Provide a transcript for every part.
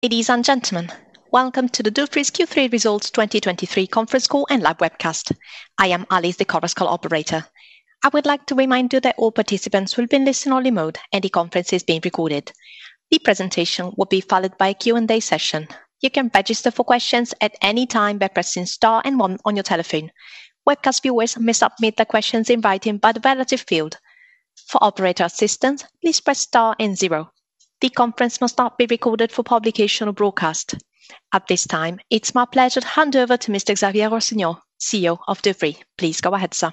Ladies and gentlemen, welcome to the Dufry's Q3 Results 2023 conference call and live webcast. I am Alice, the conference call operator. I would like to remind you that all participants will be in listen-only mode, and the conference is being recorded. The presentation will be followed by a Q&A session. You can register for questions at any time by pressing star and one on your telephone. Webcast viewers may submit their questions in writing by the relative field. For operator assistance, please press star and zero. The conference must not be recorded for publication or broadcast. At this time, it's my pleasure to hand over to Mr. Xavier Rossinyol, CEO of Dufry. Please go ahead, sir.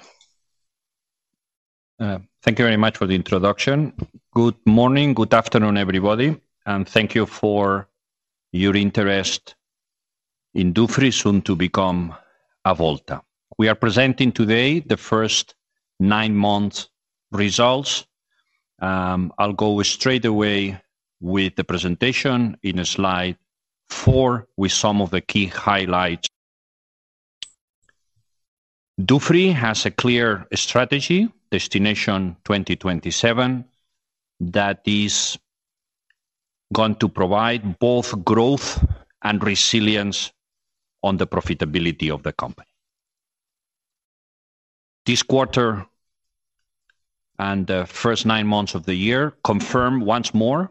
Thank you very much for the introduction. Good morning, good afternoon, everybody, and thank you for your interest in Dufry, soon to become Avolta. We are presenting today the first nine-month results. I'll go straight away with the presentation in slide four, with some of the key highlights. Dufry has a clear strategy, Destination 2027, that is going to provide both growth and resilience on the profitability of the company. This quarter and the first nine months of the year confirm once more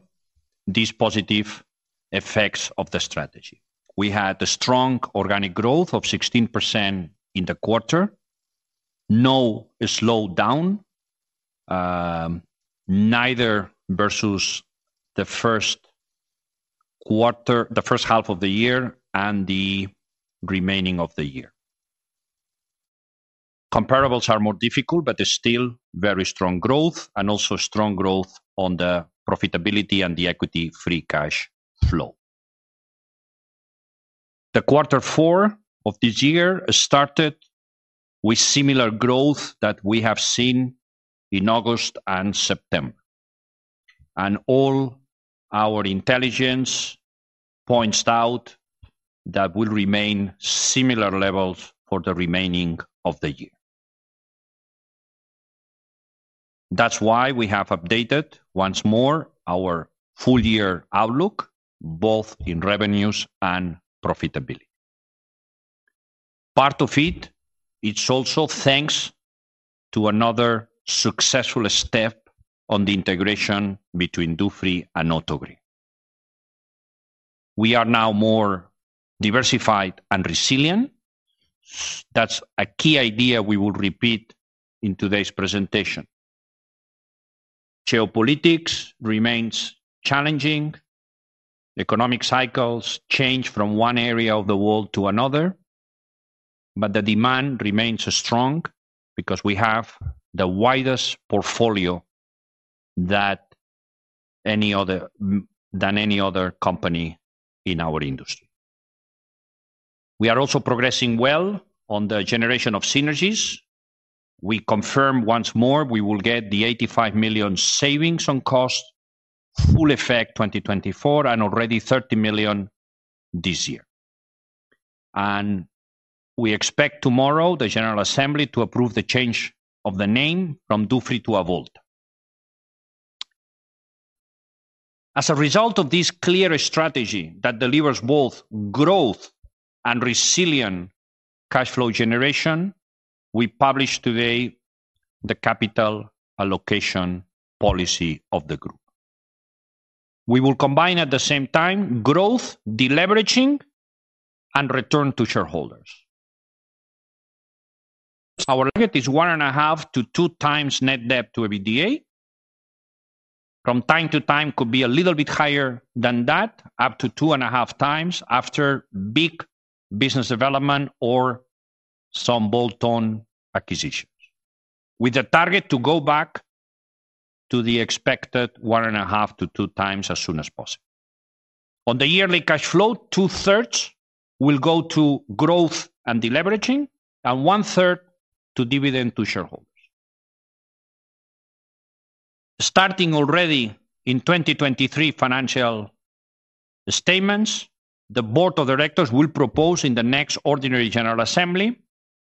these positive effects of the strategy. We had a strong organic growth of 16% in the quarter. No slowdown, neither versus the first quarter, the first half of the year and the remaining of the year. Comparables are more difficult, but there's still very strong growth and also strong growth on the profitability and the equity-free cash flow. The quarter four of this year started with similar growth that we have seen in August and September, and all our intelligence points out that will remain similar levels for the remaining of the year. That's why we have updated, once more, our full year outlook, both in revenues and profitability. Part of it, it's also thanks to another successful step on the integration between Dufry and Autogrill. We are now more diversified and resilient. That's a key idea we will repeat in today's presentation. Geopolitics remains challenging, economic cycles change from one area of the world to another, but the demand remains strong because we have the widest portfolio that any other, than any other company in our industry. We are also progressing well on the generation of synergies. We confirm once more, we will get the 85 million savings on cost, full effect 2024, and already 30 million this year. We expect tomorrow, the General Assembly, to approve the change of the name from Dufry to Avolta. As a result of this clear strategy that delivers both growth and resilient cash flow generation, we publish today the capital allocation policy of the group. We will combine at the same time, growth, deleveraging, and return to shareholders. Our target is 1.5 to 2 times net debt to EBITDA. From time to time, could be a little bit higher than that, up to 2.5 times after big business development or some bolt-on acquisitions. With a target to go back to the expected 1.5 to 2 times as soon as possible. On the yearly cash flow, 2/3 will go to growth and deleveraging, and 1/3 to dividend to shareholders. Starting already in 2023 financial statements, the board of directors will propose in the next ordinary general assembly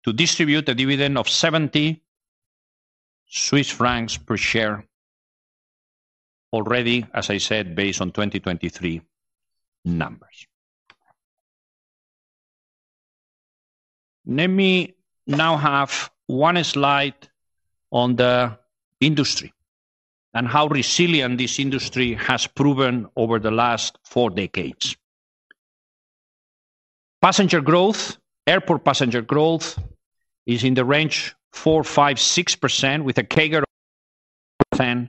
to distribute a dividend of 70 Swiss francs per share, already, as I said, based on 2023 numbers. Let me now have one slide on the industry and how resilient this industry has proven over the last four decades. Passenger growth, airport passenger growth, is in the range 4% to 6%, with a CAGR of 10%,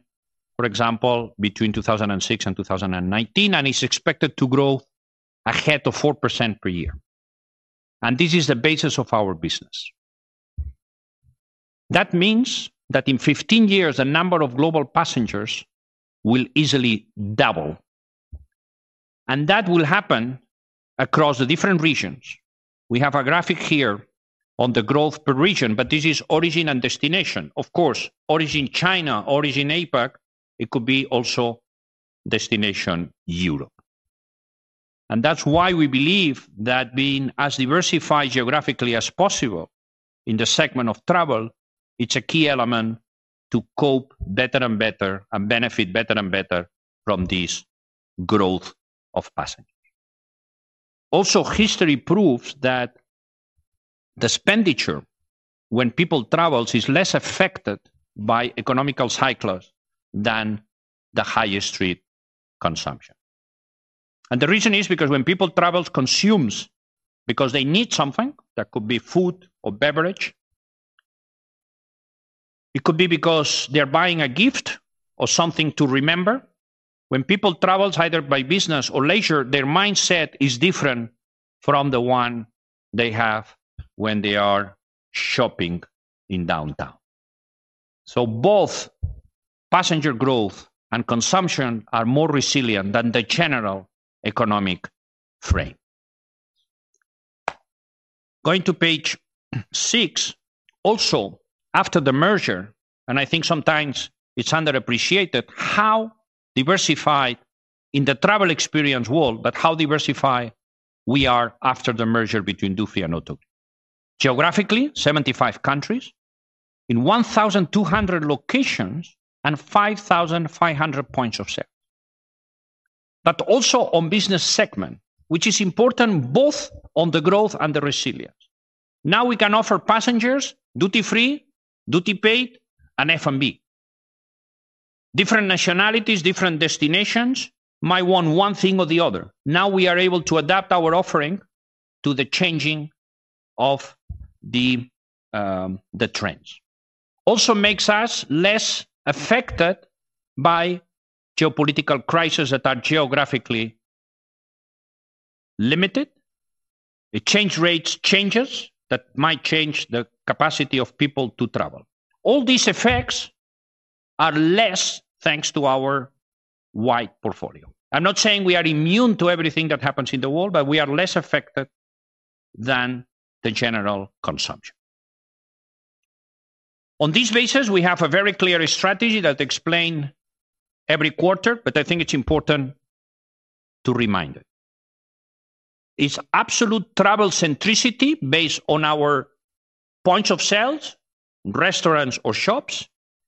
for example, between 2006 and 2019, and is expected to grow ahead of 4% per year, and this is the basis of our business. That means that in 15 years, the number of global passengers will easily double, and that will happen across the different regions. We have a graphic here on the growth per region, but this is origin and destination. Of course, origin China, origin APAC, it could be also destination Europe. And that's why we believe that being as diversified geographically as possible in the segment of travel, it's a key element to cope better and better, and benefit better and better from this growth of passengers. Also, history proves that the expenditure when people travels is less affected by economic cycles than the high street consumption. And the reason is because when people travel, consumes, because they need something, that could be food or beverage. It could be because they're buying a gift or something to remember. When people travel, either by business or leisure, their mindset is different from the one they have when they are shopping in downtown. So both passenger growth and consumption are more resilient than the general economic frame. Going to page six, also, after the merger, and I think sometimes it's underappreciated, how diversified in the travel experience world, but how diversified we are after the merger between Dufry and Autogrill. Geographically, 75 countries, in 1,200 locations, and 5,500 points of sale. But also on business segment, which is important both on the growth and the resilience. Now we can offer passengers duty-free, duty paid, and F&B. Different nationalities, different destinations, might want one thing or the other. Now, we are able to adapt our offering to the changing of the, the trends. Also makes us less affected by geopolitical crisis that are geographically limited. The exchange rate changes that might change the capacity of people to travel. All these effects are less, thanks to our wide portfolio. I'm not saying we are immune to everything that happens in the world, but we are less affected than the general consumption. On this basis, we have a very clear strategy that explain every quarter, but I think it's important to remind it. It's absolute travel centricity based on our points of sales, restaurants or shops,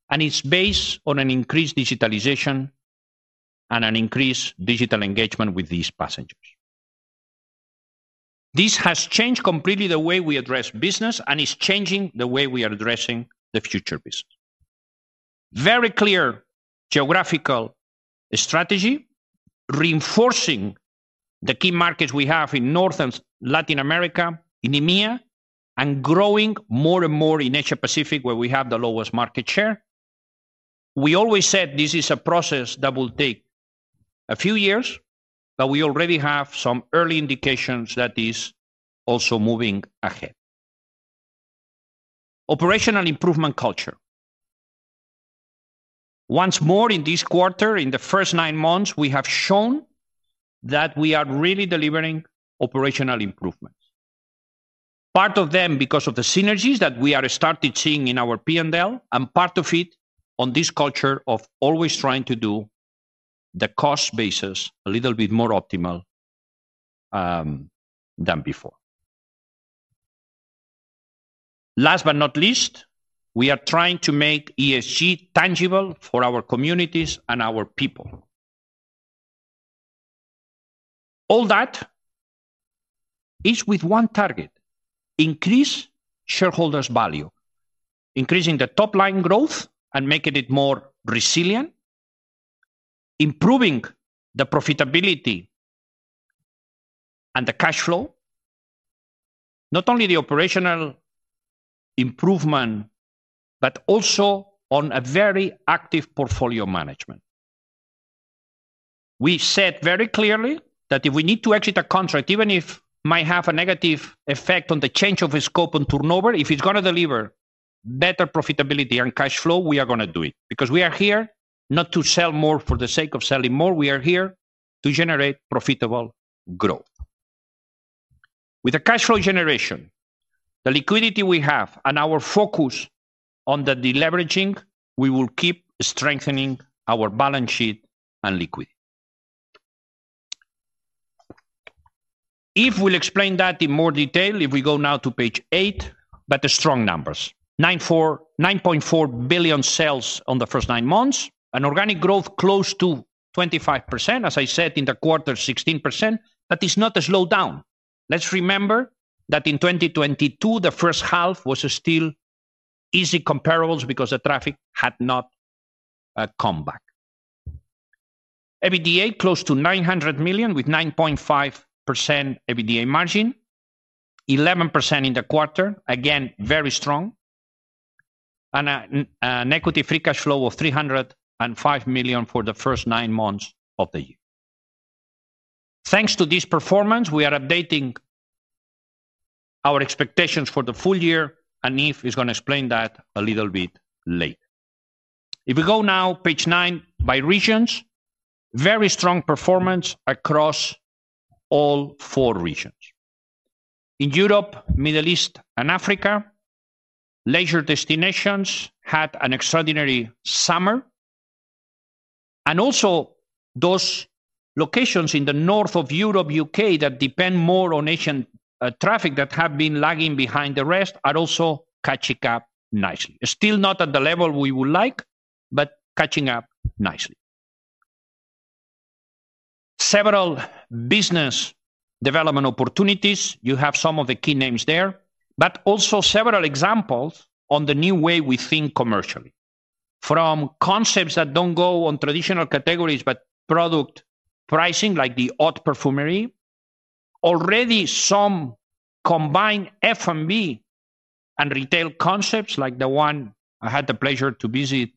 and it's based on an increased digitalization and an increased digital engagement with these passengers. This has changed completely the way we address business, and is changing the way we are addressing the future business. Very clear geographical strategy, reinforcing the key markets we have in North America and Latin America, in EMEA, and growing more and more in Asia-Pacific, where we have the lowest market share. We always said this is a process that will take a few years, but we already have some early indications that is also moving ahead. Operational improvement culture. Once more in this quarter, in the first nine months, we have shown that we are really delivering operational improvements. Part of them, because of the synergies that we are starting seeing in our P&L, and part of it on this culture of always trying to do the cost basis a little bit more optimal, than before. Last but not least, we are trying to make ESG tangible for our communities and our people. All that is with one target: increase shareholders value, increasing the top line growth and making it more resilient, improving the profitability and the cash flow, not only the operational improvement, but also on a very active portfolio management. We said very clearly that if we need to exit a contract, even if it might have a negative effect on the change of scope and turnover, if it's gonna deliver better profitability and cash flow, we are gonna do it. Because we are here not to sell more for the sake of selling more, we are here to generate profitable growth. With the cash flow generation, the liquidity we have, and our focus on the deleveraging, we will keep strengthening our balance sheet and liquidity. We'll explain that in more detail, if we go now to page eight, but the strong numbers, 9.4 billion sales on the first nine months, and organic growth close to 25%, as I said, in the quarter, 16%, that is not a slowdown. Let's remember that in 2022, the first half was still easy comparables because the traffic had not come back. EBITDA close to 900 million, with 9.5% EBITDA margin, 11% in the quarter. Again, very strong. And an equity free cash flow of 305 million for the first nine months of the year. Thanks to this performance, we are updating our expectations for the full year, and Yves is gonna explain that a little bit later. If we go now, page nine, by regions, very strong performance across all four regions. In Europe, Middle East, and Africa, leisure destinations had an extraordinary summer. And also, those locations in the north of Europe, U.K., that depend more on Asian traffic that have been lagging behind the rest, are also catching up nicely. Still not at the level we would like, but catching up nicely. Several business development opportunities. You have some of the key names there, but also several examples on the new way we think commercially. From concepts that don't go on traditional categories, but product pricing, like the Haute Parfumerie. Already some combined F&B and retail concepts, like the one I had the pleasure to visit,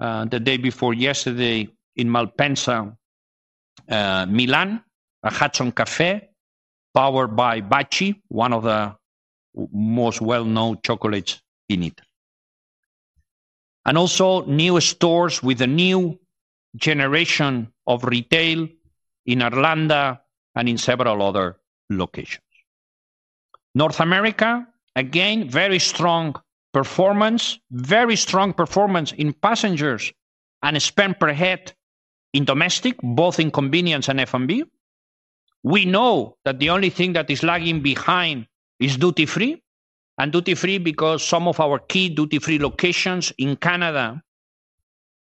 the day before yesterday in Malpensa, Milan, a Hudson Café, powered by Baci, one of the most well-known chocolates in Italy. And also new stores with a new generation of retail in Atlanta and in several other locations. North America, again, very strong performance. Very strong performance in passengers and spend per head in domestic, both in convenience and F&B. We know that the only thing that is lagging behind is duty-free, and duty-free because some of our key duty-free locations in Canada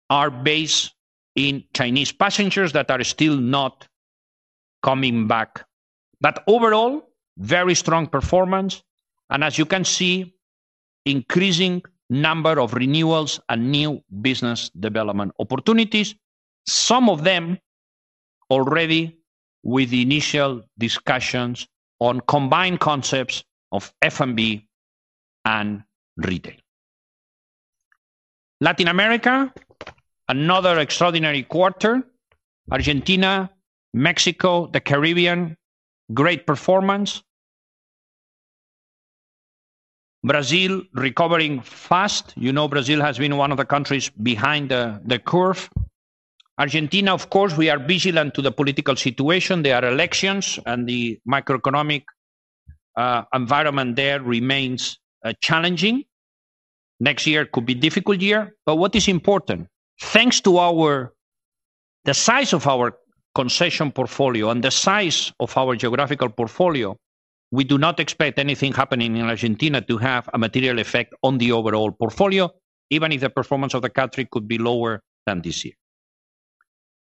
are based in Chinese passengers that are still not coming back. But overall, very strong performance, and as you can see, increasing number of renewals and new business development opportunities. Some of them already with initial discussions on combined concepts of F&B and retail. Latin America, another extraordinary quarter. Argentina, Mexico, the Caribbean, great performance. Brazil, recovering fast. You know, Brazil has been one of the countries behind the curve. Argentina, of course, we are vigilant to the political situation. There are elections, and the macroeconomic environment there remains challenging. Next year could be difficult year, but what is important, thanks to our... The size of our concession portfolio and the size of our geographical portfolio, we do not expect anything happening in Argentina to have a material effect on the overall portfolio, even if the performance of the country could be lower than this year.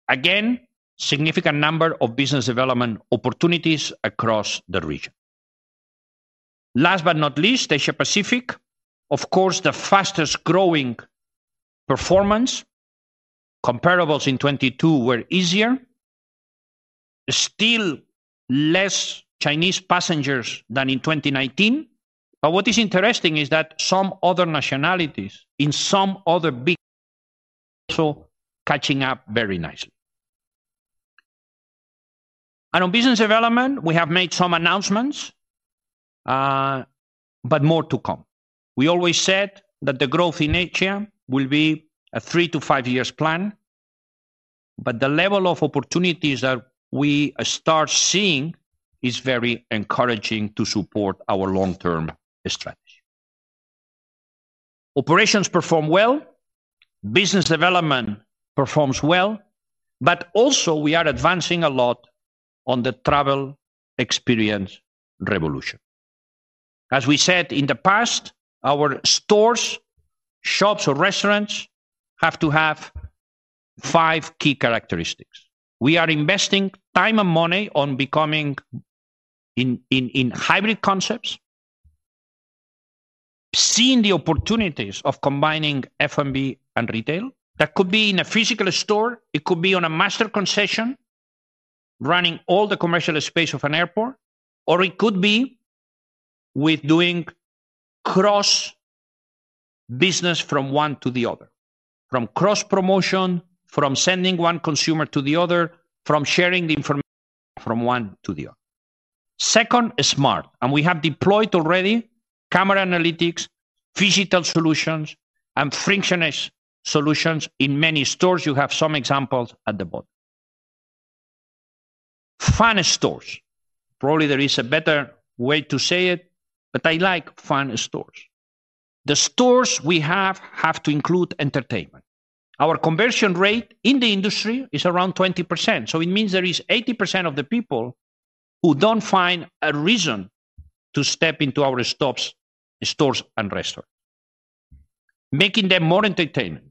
Again, significant number of business development opportunities across the region. Last but not least, Asia-Pacific. Of course, the fastest-growing performance. Comparables in 22 were easier. Still less Chinese passengers than in 2019, but what is interesting is that some other nationalities in some other big- also catching up very nicely. And on business development, we have made some announcements, but more to come. We always said that the growth in Asia will be a three to five years plan, but the level of opportunities that we are start seeing is very encouraging to support our long-term strategy. Operations perform well, business development performs well, but also we are advancing a lot on the Travel Experience Revolution. As we said in the past, our stores, shops, or restaurants have to have five key characteristics. We are investing time and money on becoming in hybrid concepts, seeing the opportunities of combining F&B and retail. That could be in a physical store, it could be on a master concession, running all the commercial space of an airport, or it could be with doing cross-business from one to the other. From cross-promotion, from sending one consumer to the other, from sharing the information from one to the other. Second, smart, and we have deployed already camera analytics, phygital solutions, and frictionless solutions in many stores. You have some examples at the bottom. Fun stores. Probably there is a better way to say it, but I like fun stores. The stores we have have to include entertainment. Our conversion rate in the industry is around 20%, so it means there is 80% of the people who don't find a reason to step into our shops, stores, and restaurants. Making them more entertainment,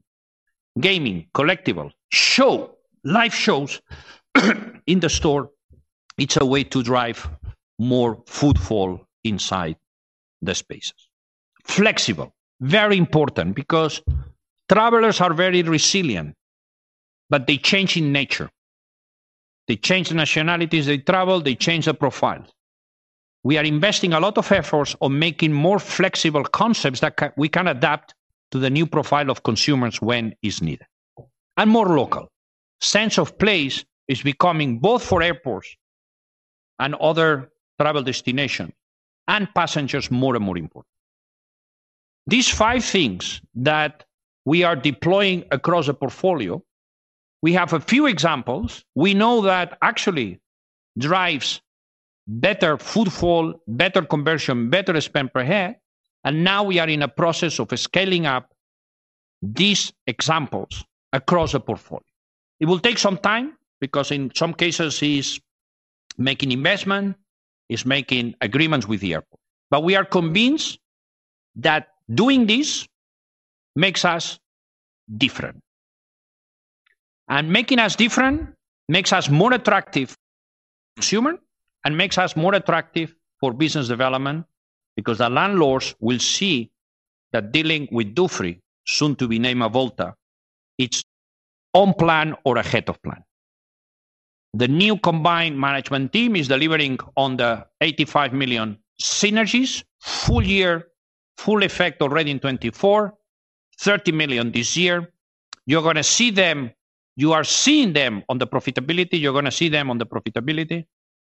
gaming, collectible, show, live shows, in the store, it's a way to drive more footfall inside the spaces. Flexible, very important because travelers are very resilient, but they change in nature. They change nationalities, they travel, they change their profile. We are investing a lot of efforts on making more flexible concepts that we can adapt to the new profile of consumers when is needed. And more local. Sense of place is becoming, both for airports and other travel destination, and passengers, more and more important. These five things that we are deploying across a portfolio, we have a few examples. We know that actually drives better footfall, better conversion, better spend per head, and now we are in a process of scaling up these examples across the portfolio. It will take some time, because in some cases it's making investment, it's making agreements with the airport. But we are convinced that doing this makes us different. And making us different makes us more attractive to consumer, and makes us more attractive for business development, because the landlords will see that dealing with Dufry, soon to be named Avolta, it's on plan or ahead of plan. The new combined management team is delivering on the 85 million synergies, full year, full effect already in 2024, 30 million this year. You are seeing them on the profitability, you're gonna see them on the profitability.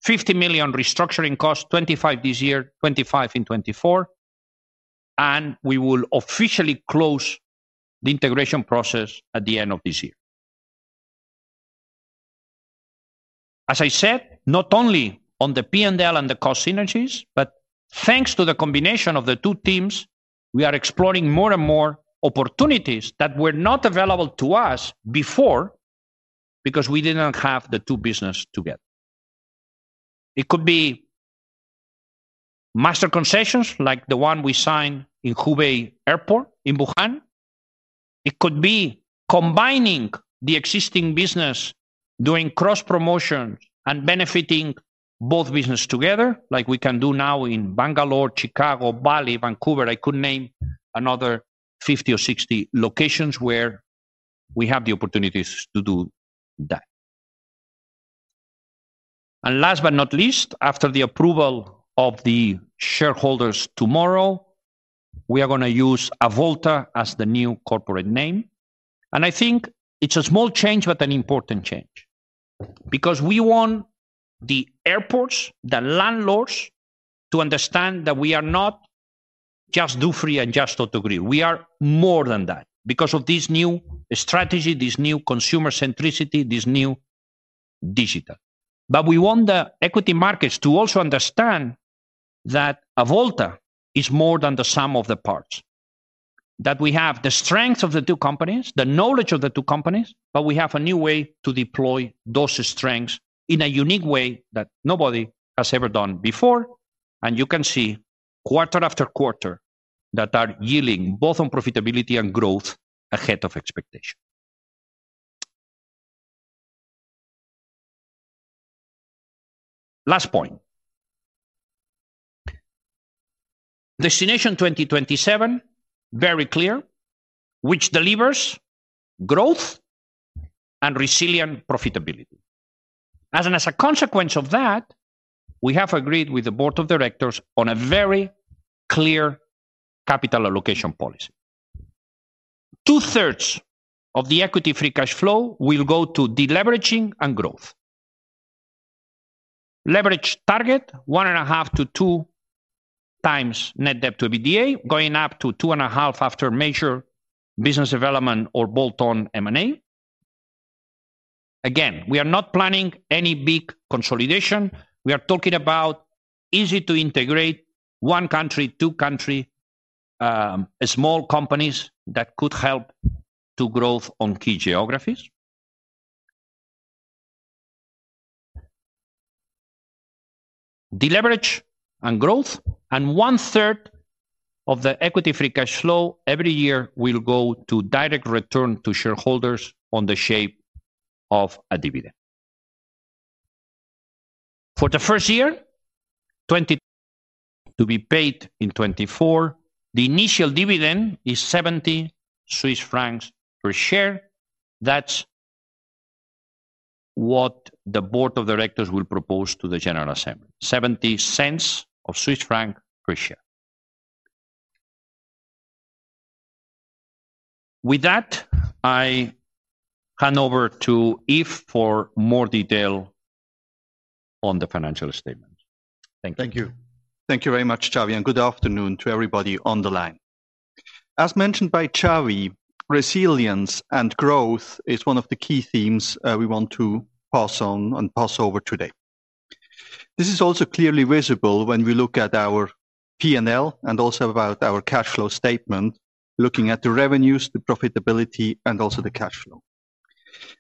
50 million restructuring costs, 25 this year, 25 in 2024, and we will officially close the integration process at the end of this year. As I said, not only on the P&L and the cost synergies, but thanks to the combination of the two teams, we are exploring more and more opportunities that were not available to us before because we did not have the two business together. It could be master concessions, like the one we signed in Hubei Airport in Wuhan. It could be combining the existing business, doing cross-promotions, and benefiting both business together, like we can do now in Bangalore, Chicago, Bali, Vancouver. I could name another 50 or 60 locations where we have the opportunities to do that. And last but not least, after the approval of the shareholders tomorrow, we are gonna use Avolta as the new corporate name, and I think it's a small change, but an important change. Because we want the airports, the landlords, to understand that we are not just Dufry and just Autogrill. We are more than that because of this new strategy, this new consumer centricity, this new digital. But we want the equity markets to also understand that Avolta is more than the sum of the parts, that we have the strength of the two companies, the knowledge of the two companies, but we have a new way to deploy those strengths in a unique way that nobody has ever done before. And you can see quarter after quarter, that are yielding both on profitability and growth ahead of expectation. Last point. Destination 2027, very clear, which delivers growth and resilient profitability. As and as a consequence of that, we have agreed with the board of directors on a very clear capital allocation policy. Two-thirds of the equity-free cash flow will go to deleveraging and growth. Leverage target, 1.5 to 2 times net debt to EBITDA, going up to 2.5 after major business development or bolt-on M&A. Again, we are not planning any big consolidation. We are talking about easy-to-integrate, one country, two country, small companies that could help to growth on key geographies. Deleveraged and growth, and one-third of the equity-free cash flow every year will go to direct return to shareholders on the shape of a dividend. For the first year, 2023 to be paid in 2024, the initial dividend is 70 Swiss francs per share. That's what the board of directors will propose to the general assembly, CHF 0.70 per share. With that, I hand over to Yves for more detail on the financial statements. Thank you. Thank you. Thank you very much, Xavi, and good afternoon to everybody on the line. As mentioned by Xavi, resilience and growth is one of the key themes, we want to pass on and pass over today. This is also clearly visible when we look at our P&L, and also about our cash flow statement, looking at the revenues, the profitability, and also the cash flow.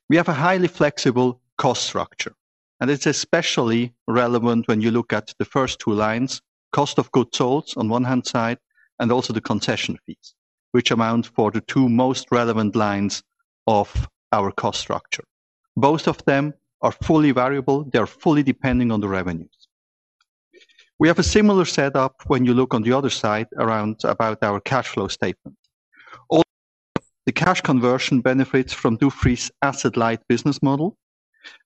We have a highly flexible cost structure, and it's especially relevant when you look at the first two lines: cost of goods sold on one hand side, and also the concession fees, which amount for the two most relevant lines of our cost structure. Both of them are fully variable. They are fully depending on the revenues. We have a similar setup when you look on the other side around about our cash flow statement, or the cash conversion benefits from Dufry's asset-light business model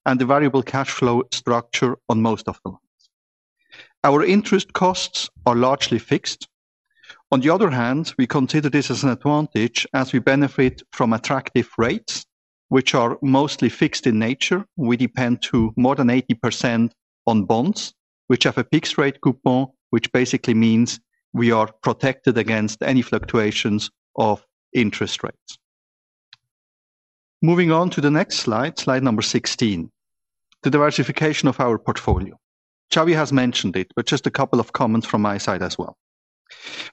and the variable cash flow structure on most of them. Our interest costs are largely fixed. On the other hand, we consider this as an advantage as we benefit from attractive rates, which are mostly fixed in nature. We depend to more than 80% on bonds, which have a fixed rate coupon, which basically means we are protected against any fluctuations of interest rates. Moving on to the next slide, slide number 16, the diversification of our portfolio. Xavi has mentioned it, but just a couple of comments from my side as well.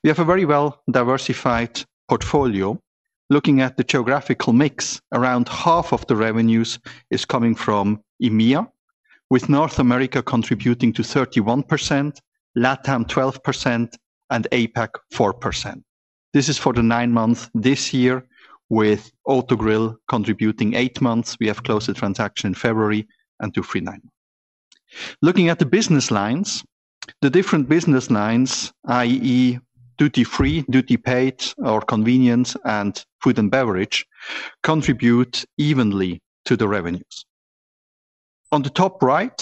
We have a very well-diversified portfolio. Looking at the geographical mix, around half of the revenues is coming from EMEA, with North America contributing to 31%, LATAM 12%, and APAC 4%. This is for the nine months this year, with Autogrill contributing eight months. We have closed the transaction in February 2024. Looking at the business lines, the different business lines, i.e., duty free, duty paid, or convenience and food and beverage, contribute evenly to the revenues. On the top right,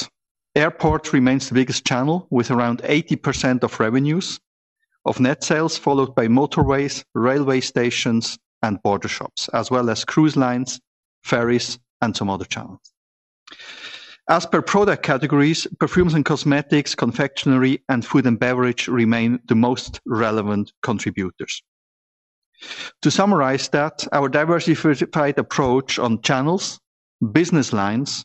airport remains the biggest channel, with around 80% of revenues of net sales, followed by motorways, railway stations, and border shops, as well as cruise lines, ferries, and some other channels. As per product categories, perfumes and cosmetics, confectionery, and food and beverage remain the most relevant contributors. To summarize that, our diversified approach on channels, business lines,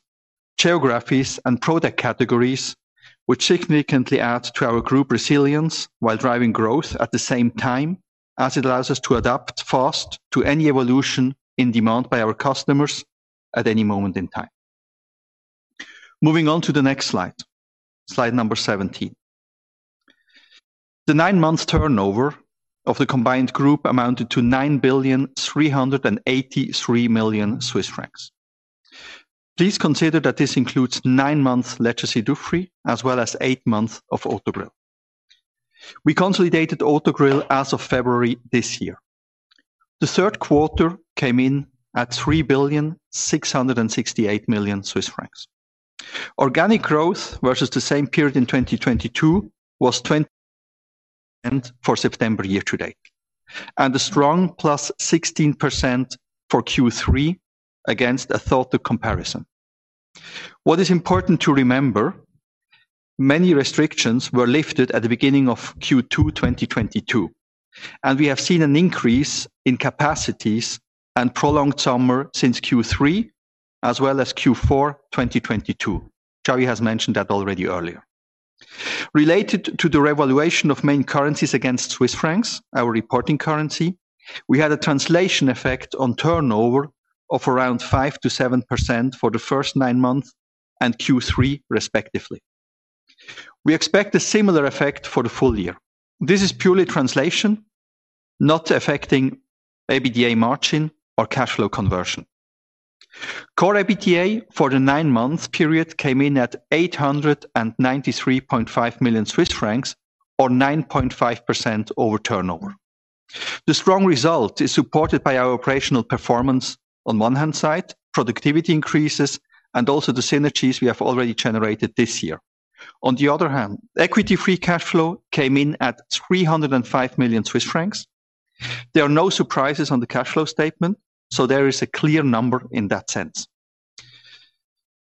geographies, and product categories, which significantly add to our group resilience while driving growth at the same time, as it allows us to adapt fast to any evolution in demand by our customers at any moment in time. Moving on to the next slide, slide 17. The nine months turnover of the combined group amounted to 9.383 billion Swiss francs. Please consider that this includes nine months legacy Dufry, as well as eight months of Autogrill. We consolidated Autogrill as of February this year. The third quarter came in at 3.668 billion. Organic growth versus the same period in 2022 was 20% for September year to date, and a strong +16% for Q3 against a tough comparison. What is important to remember, many restrictions were lifted at the beginning of Q2 2022, and we have seen an increase in capacities and prolonged summer since Q3, as well as Q4 2022. Xavi has mentioned that already earlier. Related to the revaluation of main currencies against Swiss francs, our reporting currency, we had a translation effect on turnover of around 5% to 7% for the first nine months and Q3, respectively. We expect a similar effect for the full year. This is purely translation, not affecting EBITDA margin or cash flow conversion. Core EBITDA for the nine-month period came in at 893.5 million Swiss francs, or 9.5% over turnover. The strong result is supported by our operational performance, on one hand side, productivity increases, and also the synergies we have already generated this year. On the other hand, equity free cash flow came in at 305 million Swiss francs. There are no surprises on the cash flow statement, so there is a clear number in that sense.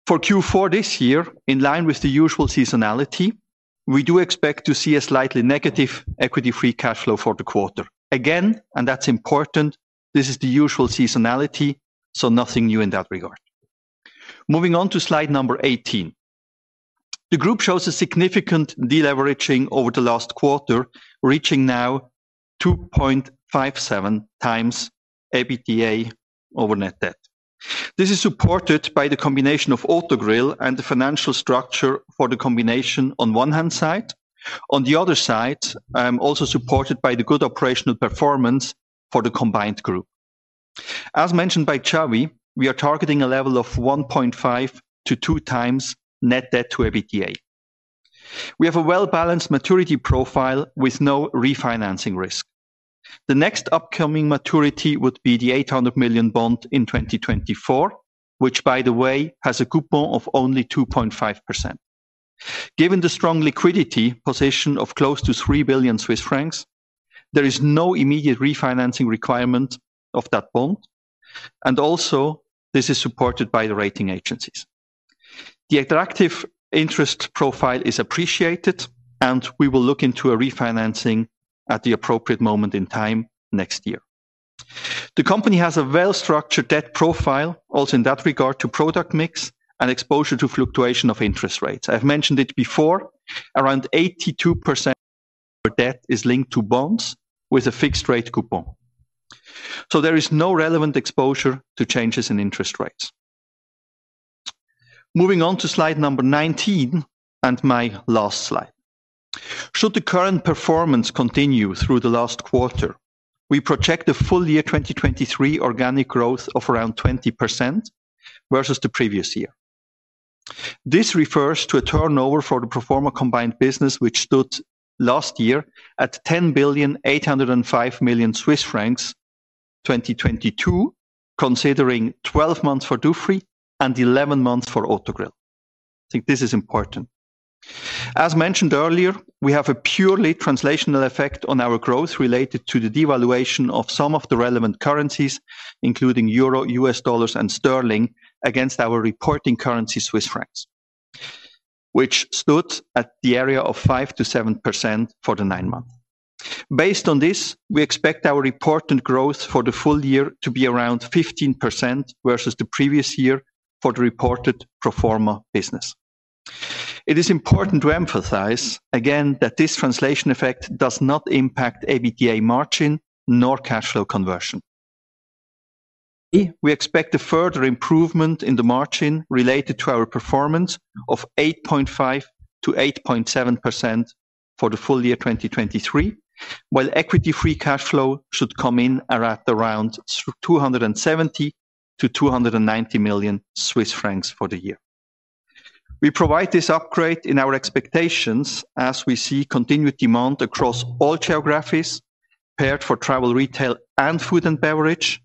For Q4 this year, in line with the usual seasonality, we do expect to see a slightly negative equity free cash flow for the quarter. Again, and that's important, this is the usual seasonality, so nothing new in that regard. Moving on to slide number 18. The group shows a significant deleveraging over the last quarter, reaching now 2.57 times EBITDA over net debt. This is supported by the combination of Autogrill and the financial structure for the combination on one hand side. On the other side, also supported by the good operational performance for the combined group. As mentioned by Xavi, we are targeting a level of 1.5 to 2 times net debt to EBITDA. We have a well-balanced maturity profile with no refinancing risk. The next upcoming maturity would be the 800 million bond in 2024, which, by the way, has a coupon of only 2.5%. Given the strong liquidity position of close to 3 billion Swiss francs, there is no immediate refinancing requirement of that bond, and also this is supported by the rating agencies. The attractive interest profile is appreciated, and we will look into a refinancing at the appropriate moment in time next year. The company has a well-structured debt profile, also in that regard, to product mix and exposure to fluctuation of interest rates. I've mentioned it before, around 82% of our debt is linked to bonds with a fixed rate coupon. So there is no relevant exposure to changes in interest rates. Moving on to slide number 19, and my last slide. Should the current performance continue through the last quarter, we project a full year 2023 organic growth of around 20% versus the previous year. This refers to a turnover for the pro forma combined business, which stood last year at 10.805 billion Swiss francs, 2022, considering 12 months for Dufry and 11 months for Autogrill. I think this is important. As mentioned earlier, we have a purely translational effect on our growth related to the devaluation of some of the relevant currencies, including euro, U.S. dollars, and sterling, against our reporting currency, Swiss francs. which stood at the area of 5% to 7% for the nine months. Based on this, we expect our reported growth for the full year to be around 15% versus the previous year for the reported pro forma business. It is important to emphasize, again, that this translation effect does not impact EBITDA margin nor cash flow conversion. We expect a further improvement in the margin related to our performance of 8.5% to 8.7% for the full year 2023, while Equity Free Cash Flow should come in at around 270 million to 290 million Swiss francs for the year. We provide this upgrade in our expectations as we see continued demand across all geographies, paired for travel, retail, and food and beverage,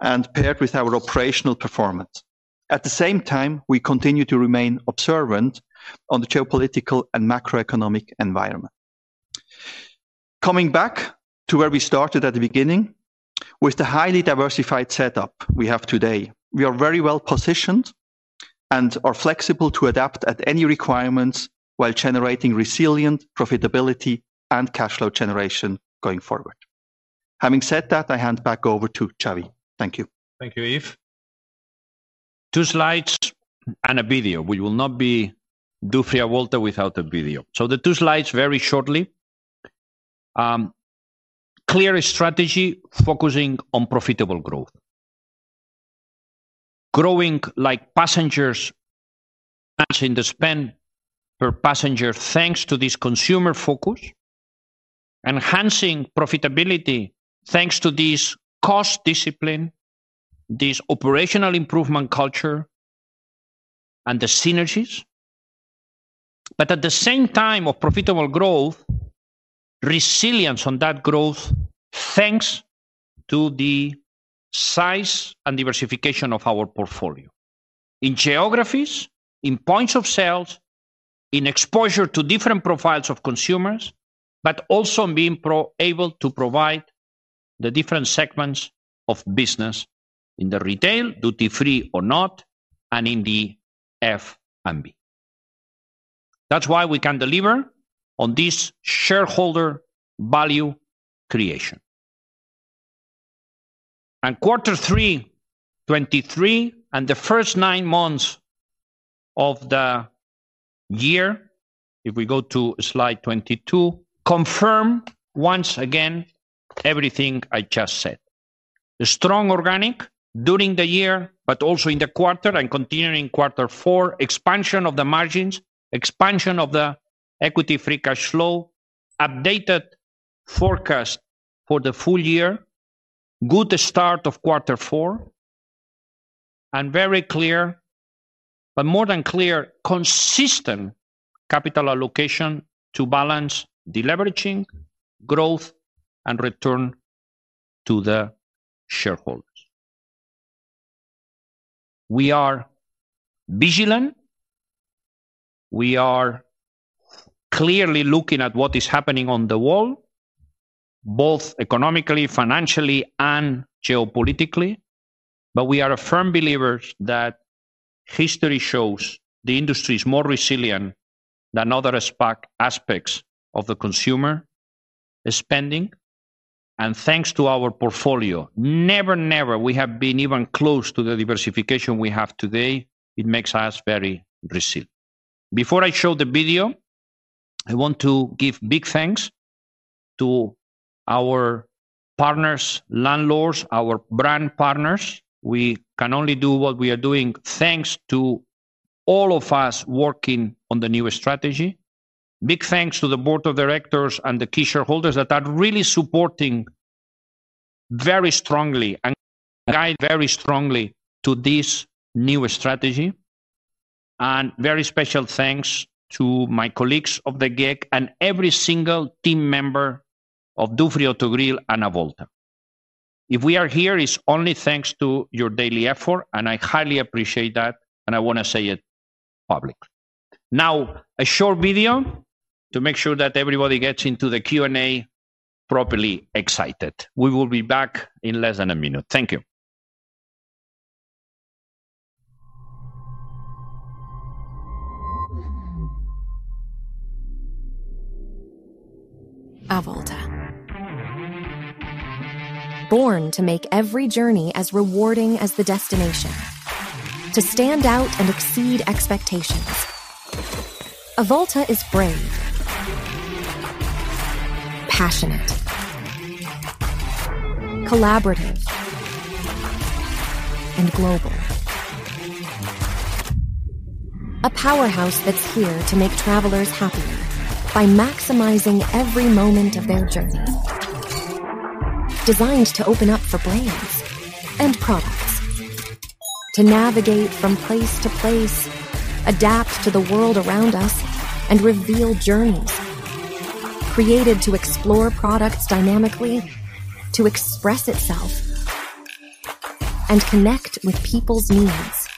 and paired with our operational performance. At the same time, we continue to remain observant on the geopolitical and macroeconomic environment. Coming back to where we started at the beginning, with the highly diversified setup we have today, we are very well-positioned and are flexible to adapt at any requirements while generating resilient profitability and cash flow generation going forward. Having said that, I hand back over to Xavi. Thank you. Thank you, Yves. Two slides and a video. We will not be Dufry Avolta without a video. So the two slides very shortly. Clear strategy focusing on profitable growth. Growing like passengers, matching the spend per passenger, thanks to this consumer focus. Enhancing profitability, thanks to this cost discipline, this operational improvement culture, and the synergies. But at the same time of profitable growth, resilience on that growth, thanks to the size and diversification of our portfolio. In geographies, in points of sales, in exposure to different profiles of consumers, but also in being able to provide the different segments of business in the retail, duty free or not, and in the F&B. That's why we can deliver on this shareholder value creation. And quarter three, 2023, and the first nine months of the year, if we go to slide 22, confirm once again, everything I just said. The strong organic during the year, but also in the quarter and continuing quarter four, expansion of the margins, expansion of the equity free cash flow, updated forecast for the full year, good start of quarter four, and very clear, but more than clear, consistent capital allocation to balance deleveraging, growth, and return to the shareholders. We are vigilant. We are clearly looking at what is happening in the world, both economically, financially, and geopolitically, but we are a firm believer that history shows the industry is more resilient than other aspects of the consumer spending. And thanks to our portfolio, never, never, we have been even close to the diversification we have today. It makes us very resilient. Before I show the video, I want to give big thanks to our partners, landlords, our brand partners. We can only do what we are doing, thanks to all of us working on the new strategy. Big thanks to the board of directors and the key shareholders that are really supporting very strongly and guide very strongly to this new strategy. And very special thanks to my colleagues of the GEC and every single team member of Dufry, Autogrill, and Avolta. If we are here, it's only thanks to your daily effort, and I highly appreciate that, and I want to say it publicly. Now, a short video to make sure that everybody gets into the Q&A properly excited. We will be back in less than a minute. Thank you. Avolta. Born to make every journey as rewarding as the destination, to stand out and exceed expectations. Avolta is brave, passionate, collaborative, and global. A powerhouse that's here to make travelers happier by maximizing every moment of their journey. Designed to open up for brands and products, to navigate from place to place, adapt to the world around us, and reveal journeys. Created to explore products dynamically, to express itself, and connect with people's needs.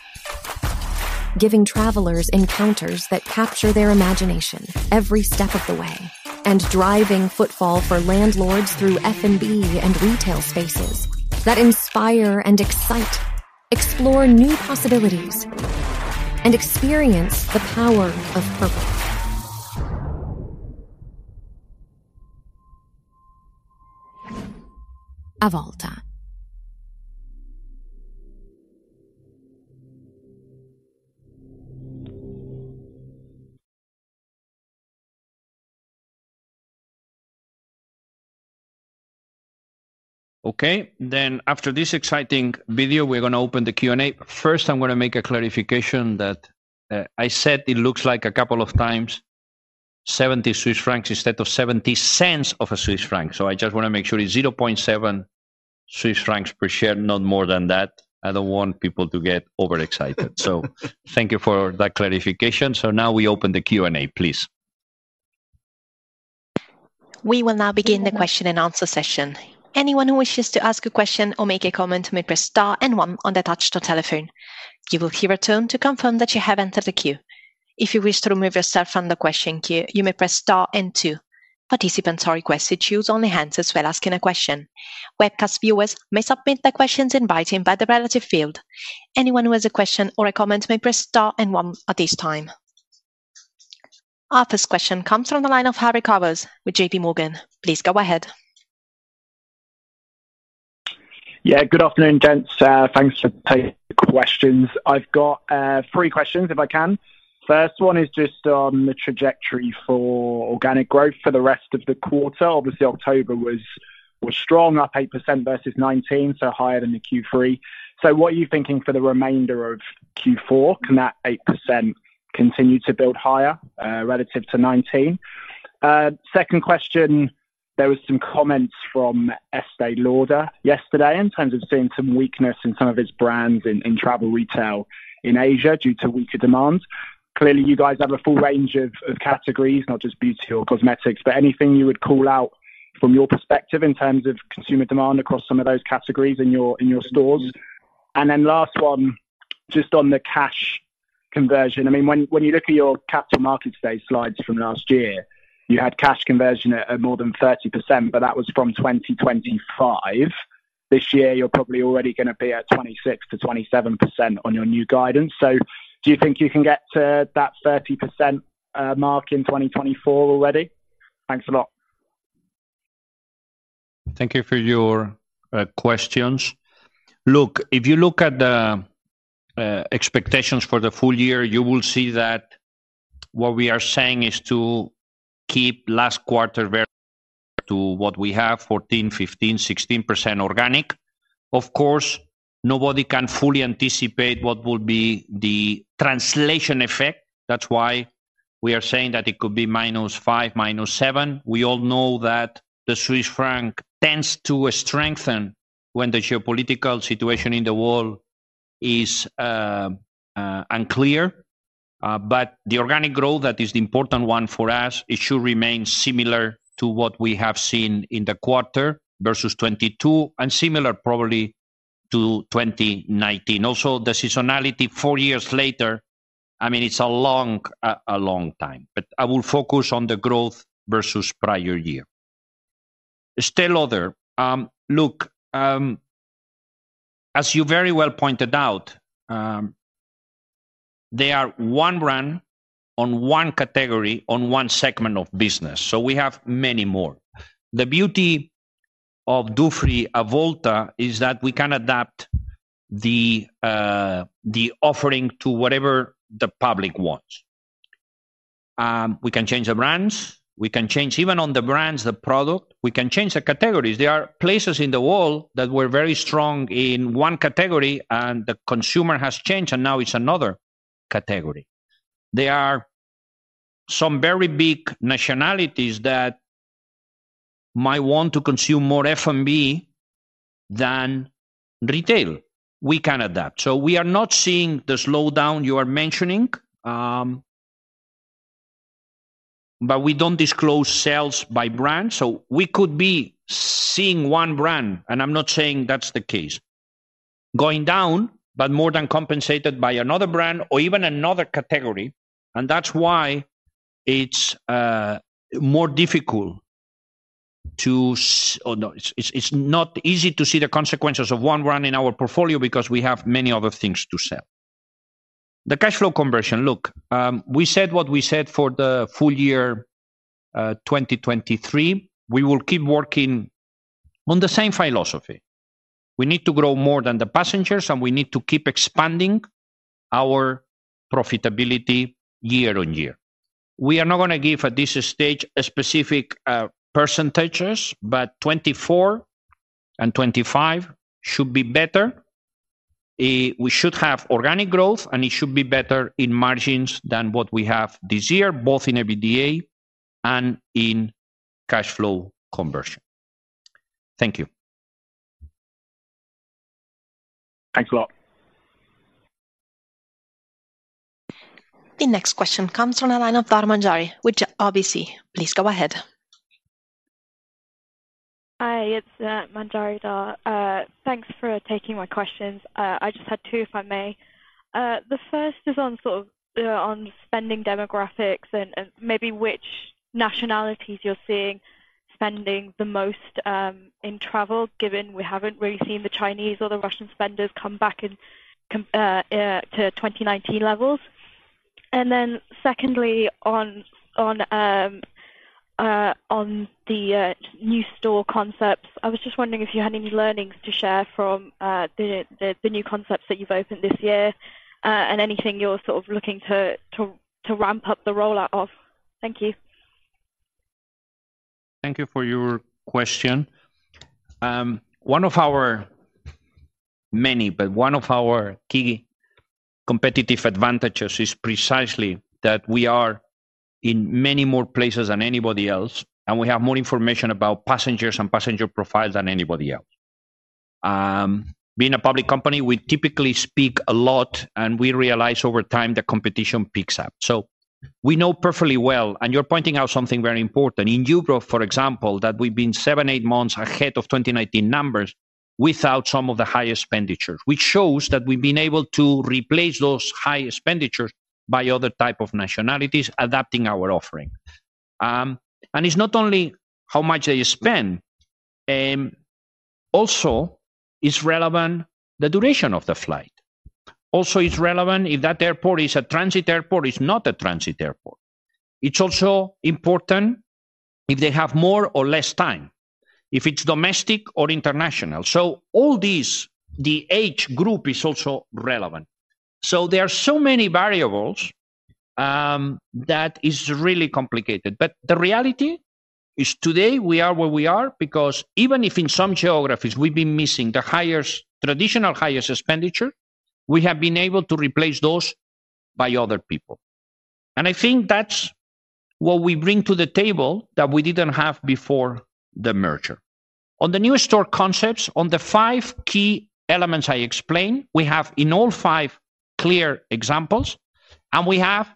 Giving travelers encounters that capture their imagination every step of the way, and driving footfall for landlords through F&B and retail spaces that inspire and excite. Explore new possibilities and experience the power of purpose. Avolta. Okay, then after this exciting video, we're gonna open the Q&A. First, I'm gonna make a clarification that, I said it looks like a couple of times, 70 Swiss francs instead of 70 cents of a Swiss franc. So I just wanna make sure it's 0.7 Swiss francs per share, not more than that. I don't want people to get overexcited. So thank you for that clarification. So now we open the Q&A, please. We will now begin the question and answer session. Anyone who wishes to ask a question or make a comment may press star and one on the touch-tone telephone. You will hear a tone to confirm that you have entered the queue. If you wish to remove yourself from the question queue, you may press star and two. Participants are requested to use only handsets when asking a question. Webcast viewers may submit their questions in writing in the relevant field. Anyone who has a question or a comment may press star and one at this time. Our first question comes from the line of Harry Gowers with JPMorgan. Please go ahead. Yeah, good afternoon, gents. Thanks for taking the questions. I've got three questions, if I can. First one is just on the trajectory for organic growth for the rest of the quarter. Obviously, October was strong, up 8% versus 2019, so higher than the Q3. So what are you thinking for the remainder of Q4? Can that 8% continue to build higher relative to 2019? Second question, there was some comments from Estée Lauder yesterday in terms of seeing some weakness in some of its brands in travel retail in Asia due to weaker demands. Clearly, you guys have a full range of categories, not just beauty or cosmetics, but anything you would call out from your perspective in terms of consumer demand across some of those categories in your stores? Then last one, just on the cash conversion. I mean, when, when you look at your Capital Markets Day slides from last year, you had cash conversion at more than 30%, but that was from 2025. This year, you're probably already gonna be at 26% to 27% on your new guidance. So do you think you can get to that 30% mark in 2024 already? Thanks a lot. Thank you for your questions. Look, if you look at the expectations for the full year, you will see that what we are saying is to keep last quarter very to what we have, 14% to 16% organic. Of course, nobody can fully anticipate what will be the translation effect. That's why we are saying that it could be -5 to -7. We all know that the Swiss franc tends to strengthen when the geopolitical situation in the world is unclear, but the organic growth, that is the important one for us, it should remain similar to what we have seen in the quarter versus 2022, and similar probably to 2019. Also, the seasonality four years later, I mean, it's a long time, but I will focus on the growth versus prior year. Estée Lauder, look, as you very well pointed out, they are one brand on one category, on one segment of business, so we have many more. The beauty of Dufry Avolta is that we can adapt the offering to whatever the public wants. We can change the brands. We can change even on the brands, the product. We can change the categories. There are places in the world that were very strong in one category, and the consumer has changed, and now it's another category. There are some very big nationalities that might want to consume more F&B than retail. We can adapt. So we are not seeing the slowdown you are mentioning, but we don't disclose sales by brand, so we could be seeing one brand, and I'm not saying that's the case, going down, but more than compensated by another brand or even another category, and that's why it's more difficult to see the consequences of one brand in our portfolio because we have many other things to sell. The cash flow conversion, look, we said what we said for the full year, 2023, we will keep working on the same philosophy. We need to grow more than the passengers, and we need to keep expanding our profitability year on year. We are not gonna give, at this stage, a specific percentages, but 2024 and 2025 should be better. We should have organic growth, and it should be better in margins than what we have this year, both in EBITDA and in cash flow conversion. Thank you. Thanks a lot. The next question comes from the line of Manjari Dhar with RBC. Please go ahead. Hi, it's Manjari Dhar. Thanks for taking my questions. I just had two, if I may. The first is on sort of spending demographics and maybe which nationalities you're seeing spending the most in travel, given we haven't really seen the Chinese or the Russian spenders come back to 2019 levels? And then secondly, on the new store concepts, I was just wondering if you had any learnings to share from the new concepts that you've opened this year, and anything you're sort of looking to ramp up the rollout of. Thank you. Thank you for your question. One of our, many, but one of our key competitive advantages is precisely that we are in many more places than anybody else, and we have more information about passengers and passenger profiles than anybody else. Being a public company, we typically speak a lot, and we realize over time the competition picks up. So we know perfectly well, and you're pointing out something very important. In Europe, for example, that we've been seven to eight months ahead of 2019 numbers without some of the highest expenditures, which shows that we've been able to replace those high expenditures by other type of nationalities adapting our offering. And it's not only how much they spend, also is relevant, the duration of the flight. Also, it's relevant if that airport is a transit airport, is not a transit airport. It's also important if they have more or less time, if it's domestic or international. So all these, the age group is also relevant. So there are so many variables that is really complicated. But the reality is today we are where we are because even if in some geographies we've been missing the highest, traditional highest expenditure, we have been able to replace those by other people. And I think that's what we bring to the table that we didn't have before the merger. On the new store concepts, on the five key elements I explained, we have in all five clear examples, and we have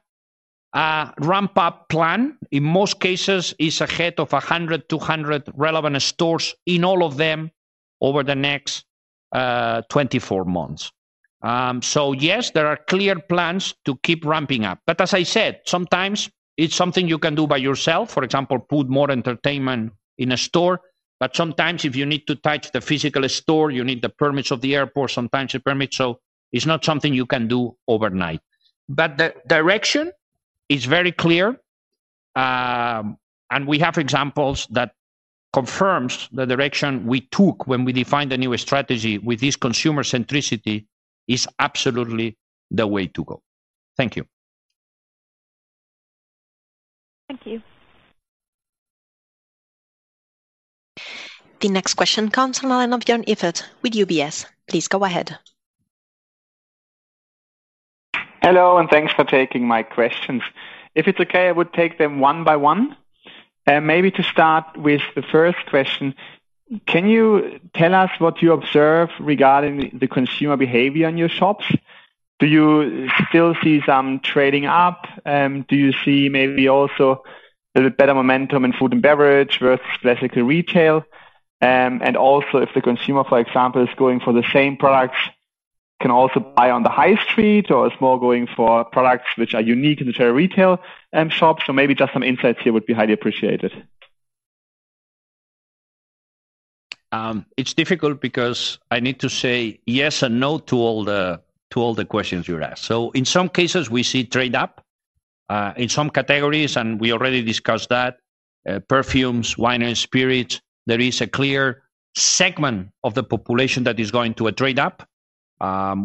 a ramp-up plan. In most cases, it's ahead of 100 to 200 relevant stores in all of them over the next 24 months. So yes, there are clear plans to keep ramping up. But as I said, sometimes it's something you can do by yourself. For example, put more entertainment in a store, but sometimes if you need to touch the physical store, you need the permits of the airport, sometimes the permit. So it's not something you can do overnight. But the direction is very clear, and we have examples that confirms the direction we took when we defined the new strategy with this consumer centricity is absolutely the way to go. Thank you. Thank you. The next question comes from the line of Jörn Iffert with UBS. Please go ahead. Hello, and thanks for taking my questions. If it's okay, I would take them one by one. Maybe to start with the first question, can you tell us what you observe regarding the consumer behavior in your shops? Do you still see some trading up? Do you see maybe also a little better momentum in food and beverage versus classical retail? And also, if the consumer, for example, is going for the same products, can also buy on the high street or is more going for products which are unique in the travel retail shop. So maybe just some insights here would be highly appreciated. It's difficult because I need to say yes and no to all the, to all the questions you asked. So in some cases, we see trade up in some categories, and we already discussed that. Perfumes, wine and spirits, there is a clear segment of the population that is going to a trade up.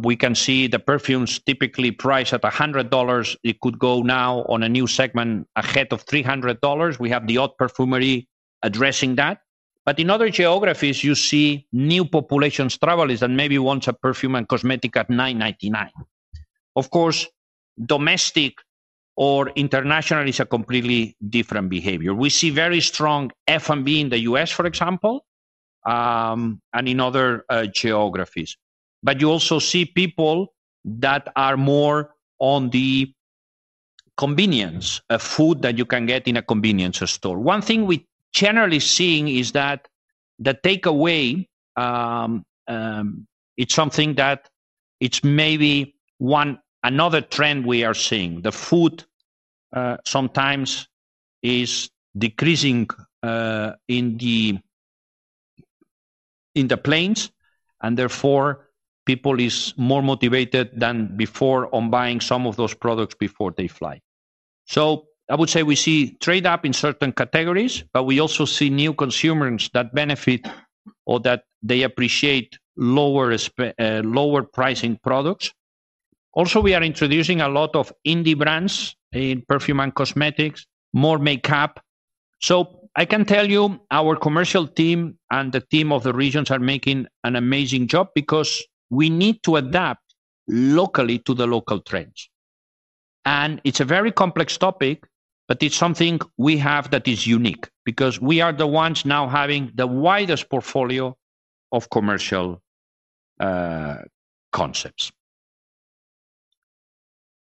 We can see the perfumes typically priced at $100. It could go now on a new segment ahead of $300. We have the Haute Parfumerie addressing that. But in other geographies, you see new populations, travelers, that maybe wants a perfume and cosmetic at $9.99. Of course, domestic or international is a completely different behavior. We see very strong F&B in the U.S., for example, and in other geographies. But you also see people that are more on the convenience of food that you can get in a convenience store. One thing we're generally seeing is that the takeaway, it's something that it's maybe. Another trend we are seeing, the food sometimes is decreasing in the planes, and therefore, people is more motivated than before on buying some of those products before they fly. So I would say we see trade up in certain categories, but we also see new consumers that benefit or that they appreciate lower pricing products. Also, we are introducing a lot of indie brands in perfume and cosmetics, more makeup. So I can tell you, our commercial team and the team of the regions are making an amazing job because we need to adapt locally to the local trends. It's a very complex topic, but it's something we have that is unique because we are the ones now having the widest portfolio of commercial concepts.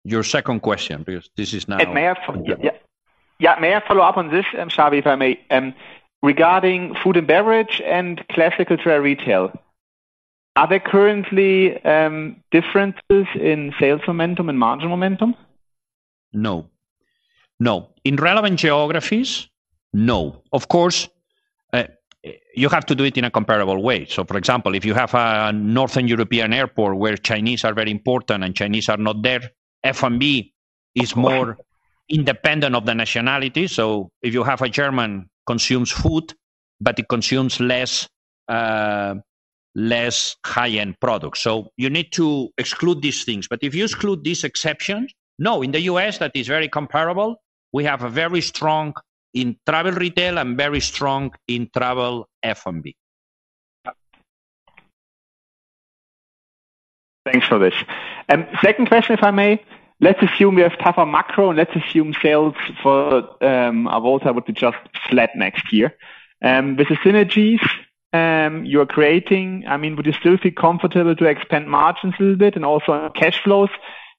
Your second question, because this is now. May I follow up on this, Xavi, if I may? Regarding food and beverage and classic travel retail. Are there currently differences in sales momentum and margin momentum? No. No. In relevant geographies, no. Of course, you have to do it in a comparable way. So, for example, if you have a Northern European airport where Chinese are very important and Chinese are not there, F&B is more independent of the nationality. So if you have a German consumes food, but it consumes less, less high-end products. So you need to exclude these things. But if you exclude these exceptions, no, in the U.S., that is very comparable. We have a very strong in travel retail and very strong in travel F&B. Thanks for this. Second question, if I may. Let's assume we have tougher macro, and let's assume sales for Avolta would be just flat next year. With the synergies you are creating, I mean, would you still feel comfortable to expand margins a little bit and also cash flows?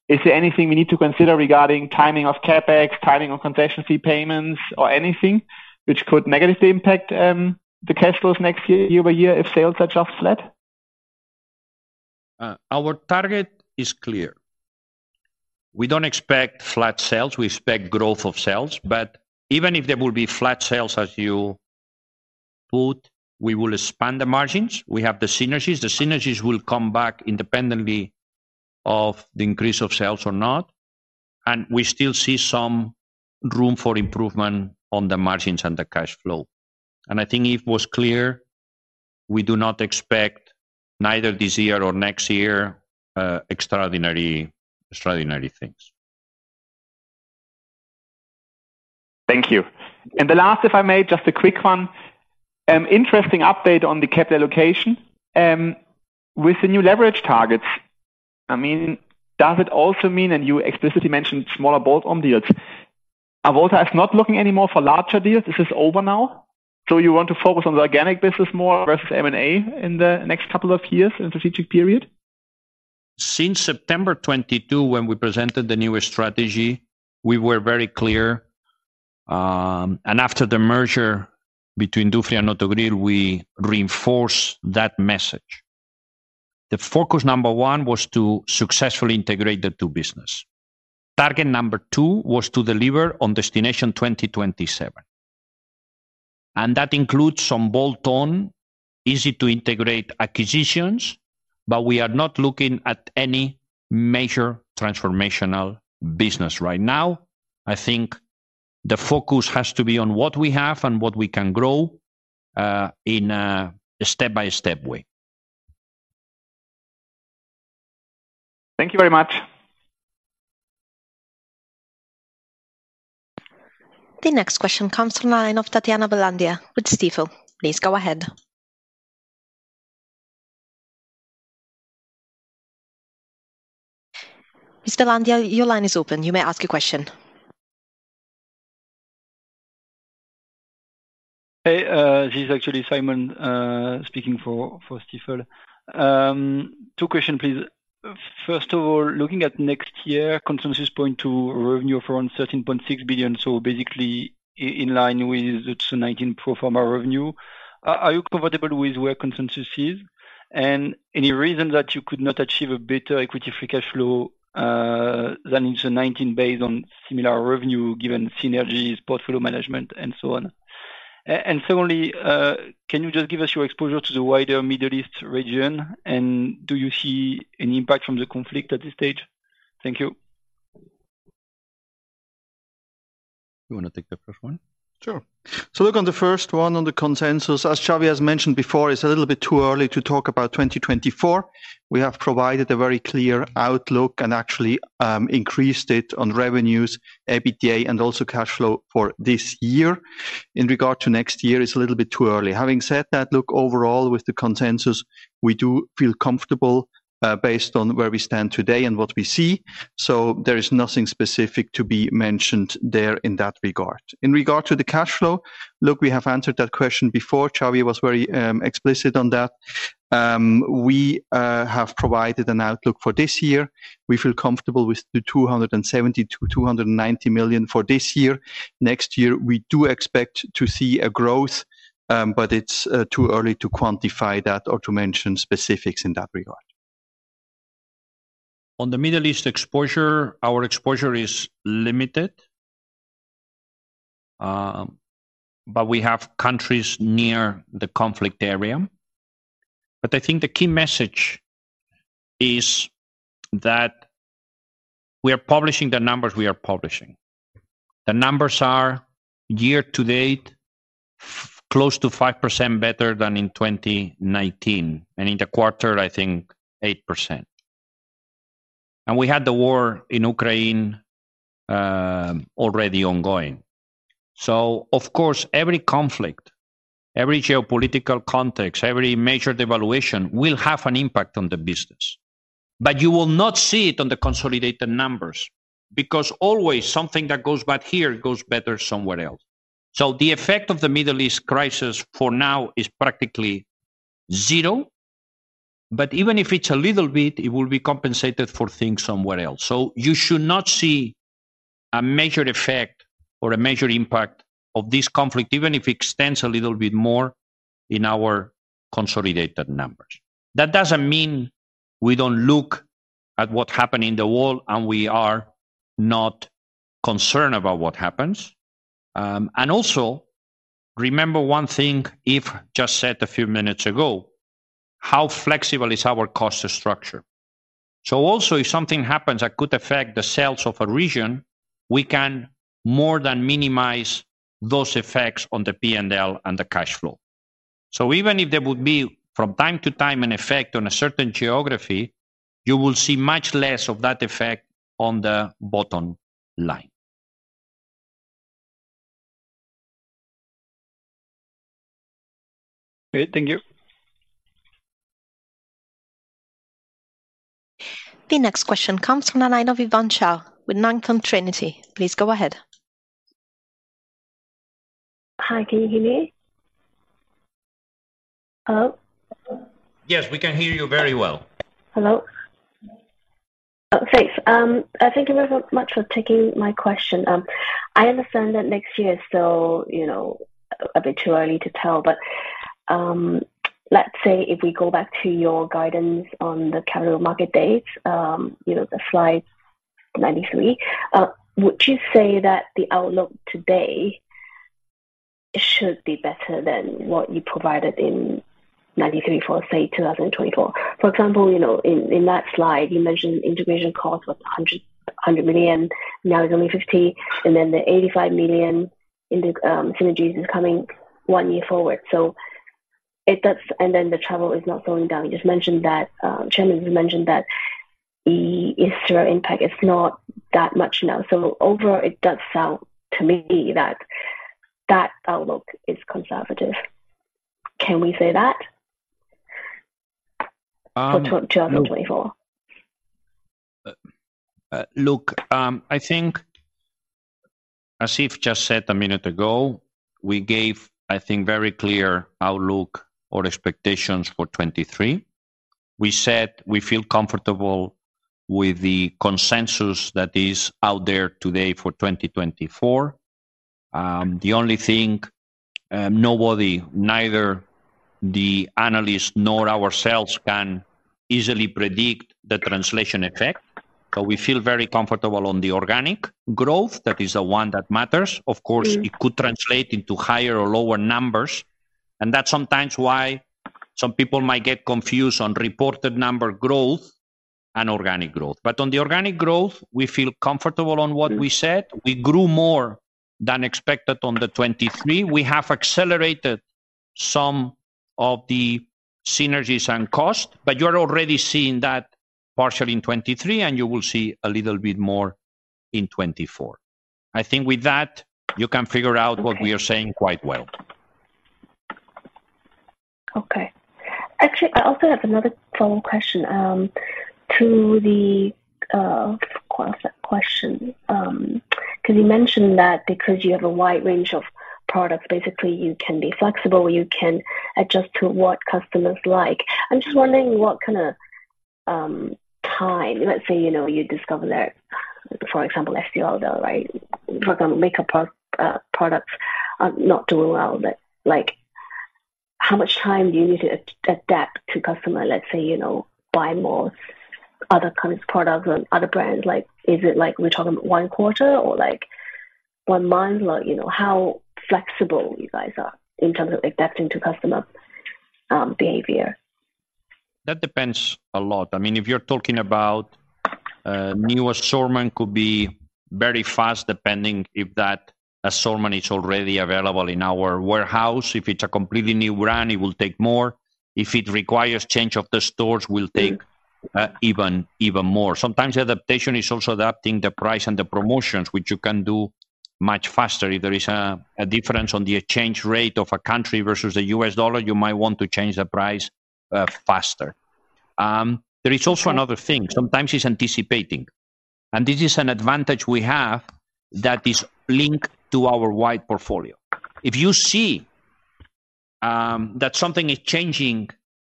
Is there anything we need to consider regarding timing of CapEx, timing of concession fee payments, or anything which could negatively impact the cash flows next year, year-over-year, if sales are just flat? Our target is clear. We don't expect flat sales, we expect growth of sales, but even if there will be flat sales, as you put, we will expand the margins. We have the synergies. The synergies will come back independently of the increase of sales or not, and we still see some room for improvement on the margins and the cash flow. And I think it was clear, we do not expect neither this year or next year, extraordinary, extraordinary things. Thank you. And the last, if I may, just a quick one. Interesting update on the capital allocation. With the new leverage targets, I mean, does it also mean, and you explicitly mentioned smaller bolt-on deals, Avolta is not looking anymore for larger deals? This is over now? So you want to focus on the organic business more versus M&A in the next couple of years, in the strategic period? Since September 2022, when we presented the new strategy, we were very clear, and after the merger between Dufry and Autogrill, we reinforced that message. The focus number one was to successfully integrate the two business. Target number two was to deliver on Destination 2027, and that includes some bolt-on, easy-to-integrate acquisitions, but we are not looking at any major transformational business right now. I think the focus has to be on what we have and what we can grow, in a step-by-step way. Thank you very much. The next question comes from the line of Tatiana Balandina with Stifel. Please go ahead. Ms. Balandina, your line is open. You may ask a question. Hey, this is actually Simon speaking for Stifel. Two questions, please. First of all, looking at next year, consensus points to revenue for around 13.6 billion, so basically in line with the 2019 pro forma revenue. Are you comfortable with where consensus is? And any reason that you could not achieve a better Equity Free Cash Flow than in the 2019, based on similar revenue, given synergies, portfolio management, and so on? And secondly, can you just give us your exposure to the wider Middle East region, and do you see any impact from the conflict at this stage? Thank you. You want to take the first one? Sure. So look, on the first one, on the consensus, as Xavi has mentioned before, it's a little bit too early to talk about 2024. We have provided a very clear outlook and actually, increased it on revenues, EBITDA, and also cash flow for this year. In regard to next year, it's a little bit too early. Having said that, look, overall with the consensus, we do feel comfortable, based on where we stand today and what we see, so there is nothing specific to be mentioned there in that regard. In regard to the cash flow, look, we have answered that question before. Xavi was very, explicit on that. We have provided an outlook for this year. We feel comfortable with the 270 million to 290 million for this year. Next year, we do expect to see a growth, but it's too early to quantify that or to mention specifics in that regard. On the Middle East exposure, our exposure is limited, but we have countries near the conflict area. But I think the key message is that we are publishing the numbers we are publishing. The numbers are year to date, close to 5% better than in 2019, and in the quarter, I think 8%. And we had the war in Ukraine, already ongoing. So of course, every conflict, every geopolitical context, every major devaluation will have an impact on the business, but you will not see it on the consolidated numbers, because always something that goes bad here, goes better somewhere else. So the effect of the Middle East crisis for now is practically zero, but even if it's a little bit, it will be compensated for things somewhere else. So you should not see a major effect or a major impact of this conflict, even if it extends a little bit more in our consolidated numbers. That doesn't mean we don't look at what happened in the world, and we are not concerned about what happens. And also, remember one thing Yves just said a few minutes ago, how flexible is our cost structure? So also, if something happens that could affect the sales of a region, we can more than minimize those effects on the P&L and the cash flow. So even if there would be, from time to time, an effect on a certain geography, you will see much less of that effect on the bottom line. Great. Thank you. The next question comes from the line of Yvonne Chow with Nan Fung Trinity. Please go ahead. Hi, can you hear me? Hello? Yes, we can hear you very well. Hello? Oh, thanks. Thank you very much for taking my question. I understand that next year is still, you know, a bit too early to tell, but, let's say if we go back to your guidance on the Capital Markets Day, you know, the slide 93, would you say that the outlook today should be better than what you provided in 93 for, say, 2024? For example, you know, in, in that slide, you mentioned integration cost was 100, 100 million, now it's only 50, and then the 85 million in the, synergies is coming one year forward. So it does. And then the travel is not going down. You just mentioned that, Chairman, you mentioned that the Easter impact is not that much now. So overall, it does sound to me that that outlook is conservative. Can we say that? Um. For 2024? Look, I think as Yves just said a minute ago, we gave, I think, very clear outlook or expectations for 2023. We said we feel comfortable with the consensus that is out there today for 2024. The only thing, nobody, neither the analyst nor ourselves, can easily predict the translation effect, but we feel very comfortable on the organic growth. That is the one that matters. Of course, it could translate into higher or lower numbers, and that's sometimes why some people might get confused on reported number growth and organic growth. But on the organic growth, we feel comfortable on what we said. We grew more than expected on the 2023. We have accelerated some of the synergies and cost, but you're already seeing that partially in 2023, and you will see a little bit more in 2024. I think with that, you can figure out what we are saying quite well. Okay. Actually, I also have another follow-up question, to the concept question. Because you mentioned that because you have a wide range of products, basically, you can be flexible, you can adjust to what customers like. I'm just wondering what kind of time. Let's say, you know, you discover that, for example, Estée Lauder, right? For example, makeup products are not doing well, but like, how much time do you need to adapt to customer, let's say, you know, buy more other kinds of products and other brands? Like, is it like we're talking one quarter or, like, one month? Like, you know, how flexible you guys are in terms of adapting to customer behavior? That depends a lot. I mean, if you're talking about new assortment could be very fast, depending if that assortment is already available in our warehouse. If it's a completely new brand, it will take more. If it requires change of the stores, will take even, even more. Sometimes adaptation is also adapting the price and the promotions, which you can do much faster. If there is a difference on the exchange rate of a country versus the U.S. dollar, you might want to change the price faster. There is also another thing, sometimes it's anticipating, and this is an advantage we have that is linked to our wide portfolio. If you see that something is changing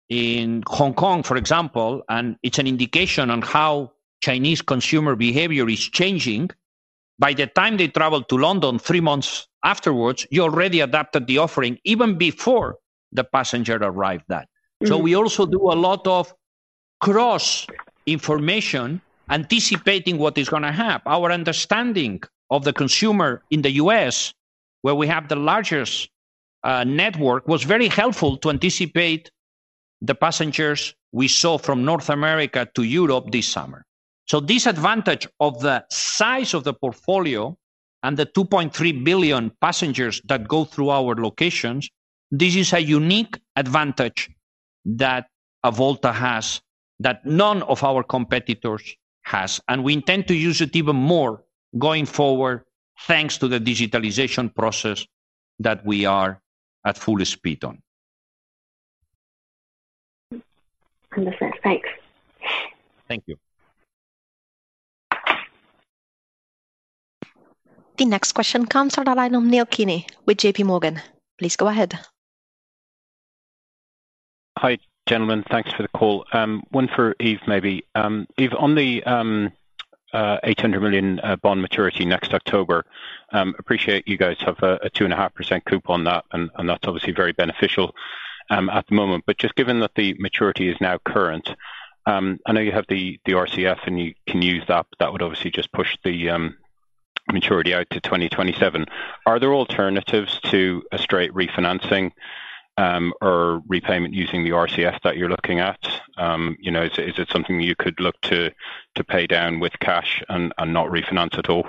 in Hong Kong, for example, and it's an indication on how Chinese consumer behavior is changing, by the time they travel to London three months afterwards, you already adapted the offering even before the passenger arrived there. So we also do a lot of cross-information, anticipating what is gonna happen. Our understanding of the consumer in the U.S., where we have the largest network, was very helpful to anticipate the passengers we saw from North America to Europe this summer. So this advantage of the size of the portfolio and the 2.3 billion passengers that go through our locations, this is a unique advantage that Avolta has, that none of our competitors has, and we intend to use it even more going forward, thanks to the digitalization process that we are at full speed on. Understood. Thanks. Thank you. The next question comes from the line of Neil Canell with J.P. Morgan. Please go ahead. Hi, gentlemen. Thanks for the call. One for Yves, maybe. Yves, on the 800 million bond maturity next October, appreciate you guys have a 2.5% coupon on that, and that's obviously very beneficial at the moment. But just given that the maturity is now current, I know you have the RCF, and you can use that, but that would obviously just push the maturity out to 2027. Are there alternatives to a straight refinancing or repayment using the RCF that you're looking at? You know, is it something you could look to pay down with cash and not refinance at all?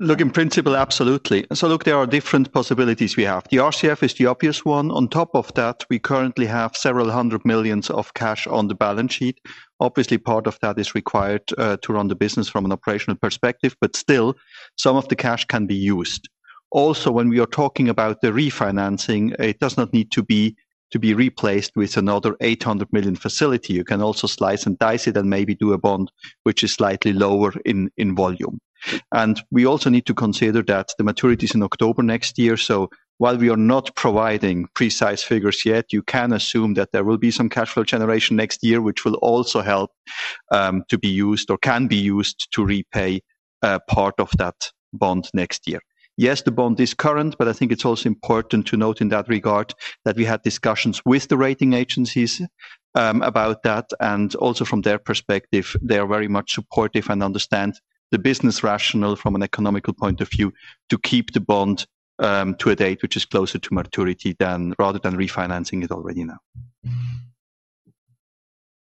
Look, in principle, absolutely. So look, there are different possibilities we have. The RCF is the obvious one. On top of that, we currently have several hundred million CHF on the balance sheet. Obviously, part of that is required to run the business from an operational perspective, but still, some of the cash can be used. Also, when we are talking about the refinancing, it does not need to be replaced with another 800 million facility. You can also slice and dice it and maybe do a bond which is slightly lower in volume. We also need to consider that the maturity is in October next year, so while we are not providing precise figures yet, you can assume that there will be some cash flow generation next year, which will also help to be used or can be used to repay part of that bond next year. Yes, the bond is current, but I think it's also important to note in that regard that we had discussions with the rating agencies about that, and also from their perspective, they are very much supportive and understand the business rationale from an economical point of view, to keep the bond to a date which is closer to maturity rather than refinancing it already now.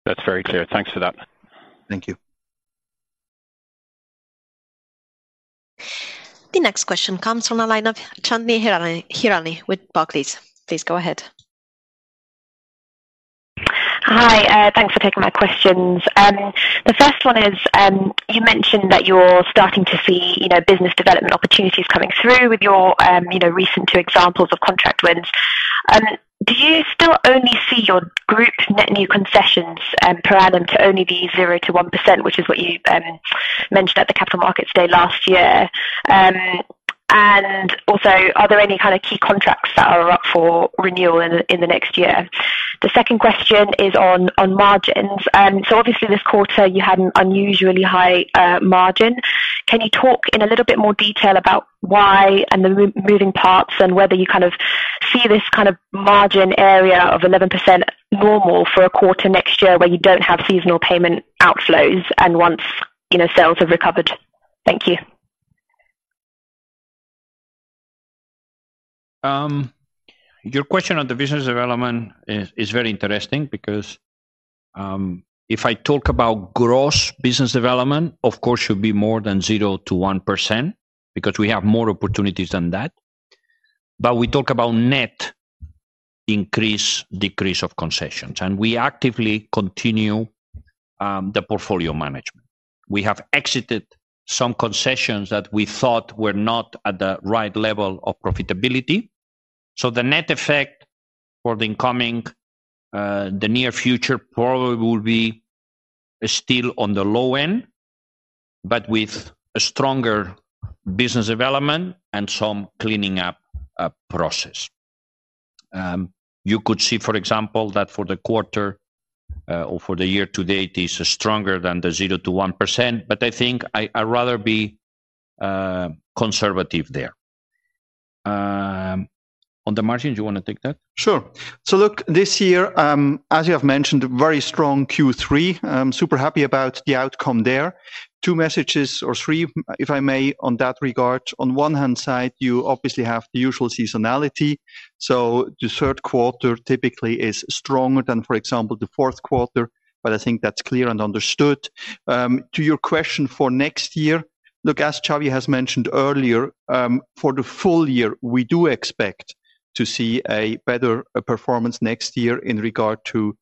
That's very clear. Thanks for that. Thank you. The next question comes from the line of Chandni Hirani with Barclays. Please go ahead. Hi, thanks for taking my questions. The first one is, you mentioned that you're starting to see, you know, business development opportunities coming through with your, you know, recent two examples of contract wins. Do you still only see your group's net new concessions, per annum to only be 0% to 1%, which is what you mentioned at the Capital Markets Day last year? And also, are there any kind of key contracts that are up for renewal in the next year? The second question is on margins. So obviously, this quarter you had an unusually high margin. Can you talk in a little bit more detail about why and the moving parts and whether you kind of see this kind of margin area of 11% normal for a quarter next year, where you don't have seasonal payment outflows and once, you know, sales have recovered? Thank you. Your question on the business development is very interesting because if I talk about gross business development, of course, should be more than 0% to 1%, because we have more opportunities than that. But we talk about net increase, decrease of concessions, and we actively continue the portfolio management. We have exited some concessions that we thought were not at the right level of profitability. So the net effect for the incoming, the near future probably will be still on the low end, but with a stronger business development and some cleaning up process. You could see, for example, that for the quarter, or for the year to date, is stronger than the 0% to 1%, but I think I rather be conservative there. On the margin, do you want to take that? Sure. So look, this year, as you have mentioned, very strong Q3. I'm super happy about the outcome there. Two messages or three, if I may, on that regard. On one hand side, you obviously have the usual seasonality, so the third quarter typically is stronger than, for example, the fourth quarter, but I think that's clear and understood. To your question for next year, look, as Xavi has mentioned earlier, for the full year, we do expect to see a better performance next year in regard to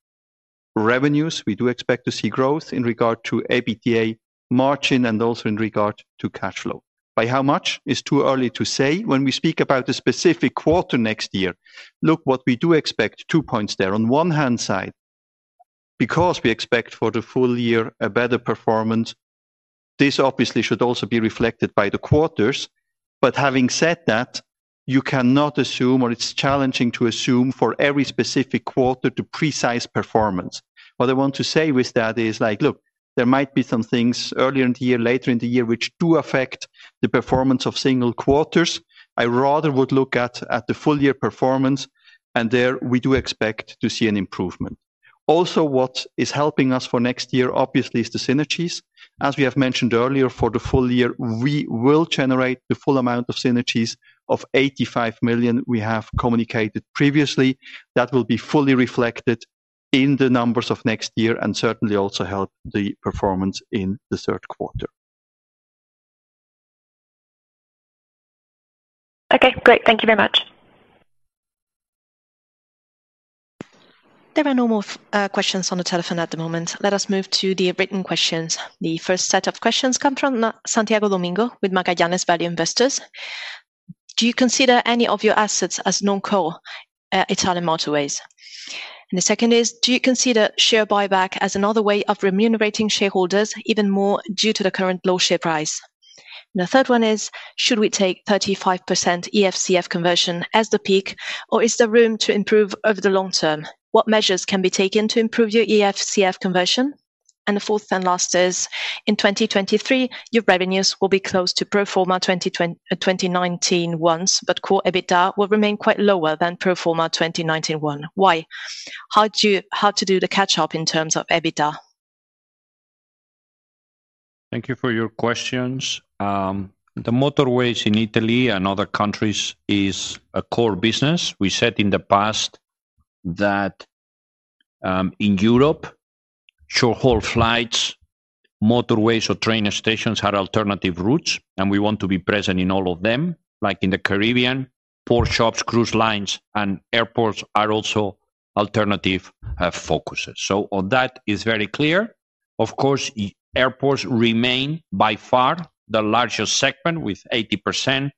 revenues. We do expect to see growth in regard to EBITDA margin and also in regard to cash flow. By how much? It's too early to say. When we speak about the specific quarter next year, look, what we do expect, two points there. On one hand side, because we expect for the full year a better performance, this obviously should also be reflected by the quarters. But having said that, you cannot assume or it's challenging to assume for every specific quarter to precise performance. What I want to say with that is like, look, there might be some things earlier in the year, later in the year, which do affect the performance of single quarters. I rather would look at, at the full year performance, and there we do expect to see an improvement. Also, what is helping us for next year, obviously, is the synergies. As we have mentioned earlier, for the full year, we will generate the full amount of synergies of 85 million we have communicated previously. That will be fully reflected in the numbers of next year and certainly also help the performance in the third quarter. Okay, great. Thank you very much. There are no more questions on the telephone at the moment. Let us move to the written questions. The first set of questions come from Santiago Domingo with Magallanes Value Investors. Do you consider any of your assets as non-core Italian motorways? And the second is: Do you consider share buyback as another way of remunerating shareholders even more due to the current low share price? And the third one is, should we take 35% EFCF conversion as the peak, or is there room to improve over the long term? What measures can be taken to improve your EFCF conversion? And the fourth and last is, in 2023, your revenues will be close to pro forma 2019 once, but core EBITDA will remain quite lower than pro forma 2019 one. Why? How to do the catch-up in terms of EBITDA? Thank you for your questions. The motorways in Italy and other countries is a core business. We said in the past that, in Europe, short-haul flights, motorways or train stations are alternative routes, and we want to be present in all of them. Like in the Caribbean, port shops, cruise lines, and airports are also alternative focuses. So on that, is very clear. Of course, airports remain, by far, the largest segment with 80%,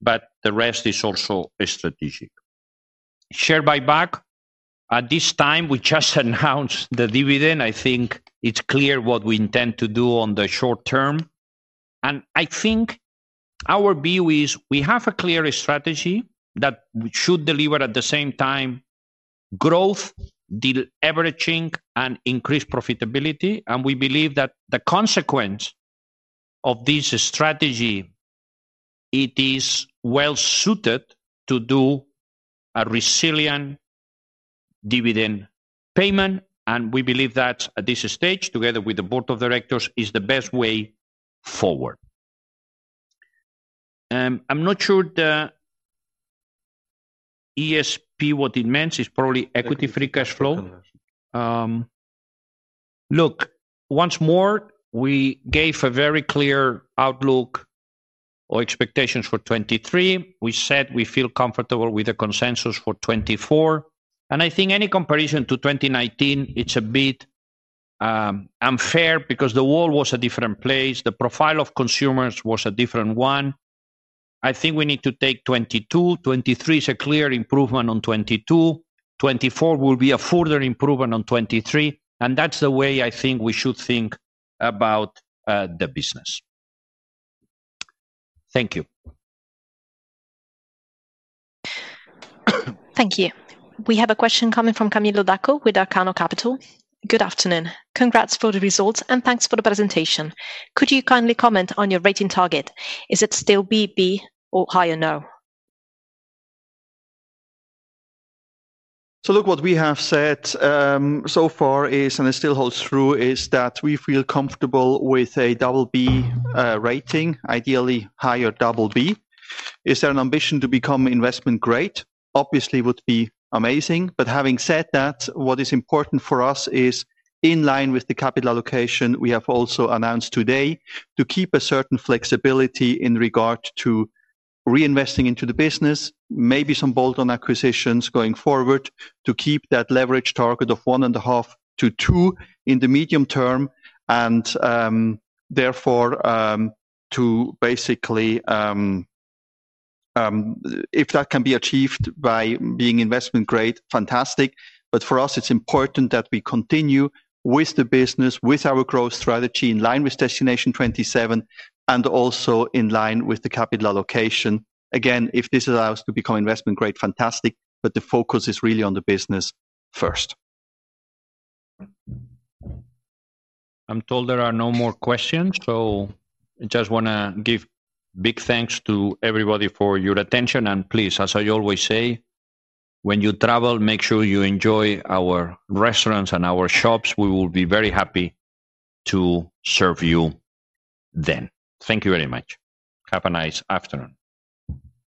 but the rest is also strategic. Share buyback, at this time, we just announced the dividend. I think it's clear what we intend to do on the short term. I think our view is we have a clear strategy that should deliver, at the same time, growth, de-leveraging, and increased profitability, and we believe that the consequence of this strategy, it is well suited to do a resilient dividend payment, and we believe that at this stage, together with the board of directors, is the best way forward. I'm not sure the EFCF, what it means, is probably equity free cash flow. Look, once more, we gave a very clear outlook or expectations for 2023. We said we feel comfortable with the consensus for 2024, and I think any comparison to 2019, it's a bit unfair because the world was a different place. The profile of consumers was a different one. I think we need to take 2022. 2023 is a clear improvement on 2022. 2024 will be a further improvement on 2023, and that's the way I think we should think about the business. Thank you. Thank you. We have a question coming from Camillo Dacco with Arcana Capital. Good afternoon. Congrats for the results, and thanks for the presentation. Could you kindly comment on your rating target? Is it still BB or higher, now? So look, what we have said so far is, and it still holds true, is that we feel comfortable with a double B rating, ideally higher double B. Is there an ambition to become investment grade? Obviously, would be amazing. But having said that, what is important for us is in line with the capital allocation we have also announced today, to keep a certain flexibility in regard to reinvesting into the business, maybe some bolt-on acquisitions going forward, to keep that leverage target of 1.5 to 2 in the medium term, and therefore, to basically. If that can be achieved by being investment grade, fantastic. But for us, it's important that we continue with the business, with our growth strategy, in line with Destination 2027, and also in line with the capital allocation. Again, if this allows to become investment grade, fantastic, but the focus is really on the business first. I'm told there are no more questions, so I just wanna give big thanks to everybody for your attention. And please, as I always say, when you travel, make sure you enjoy our restaurants and our shops. We will be very happy to serve you then. Thank you very much. Have a nice afternoon.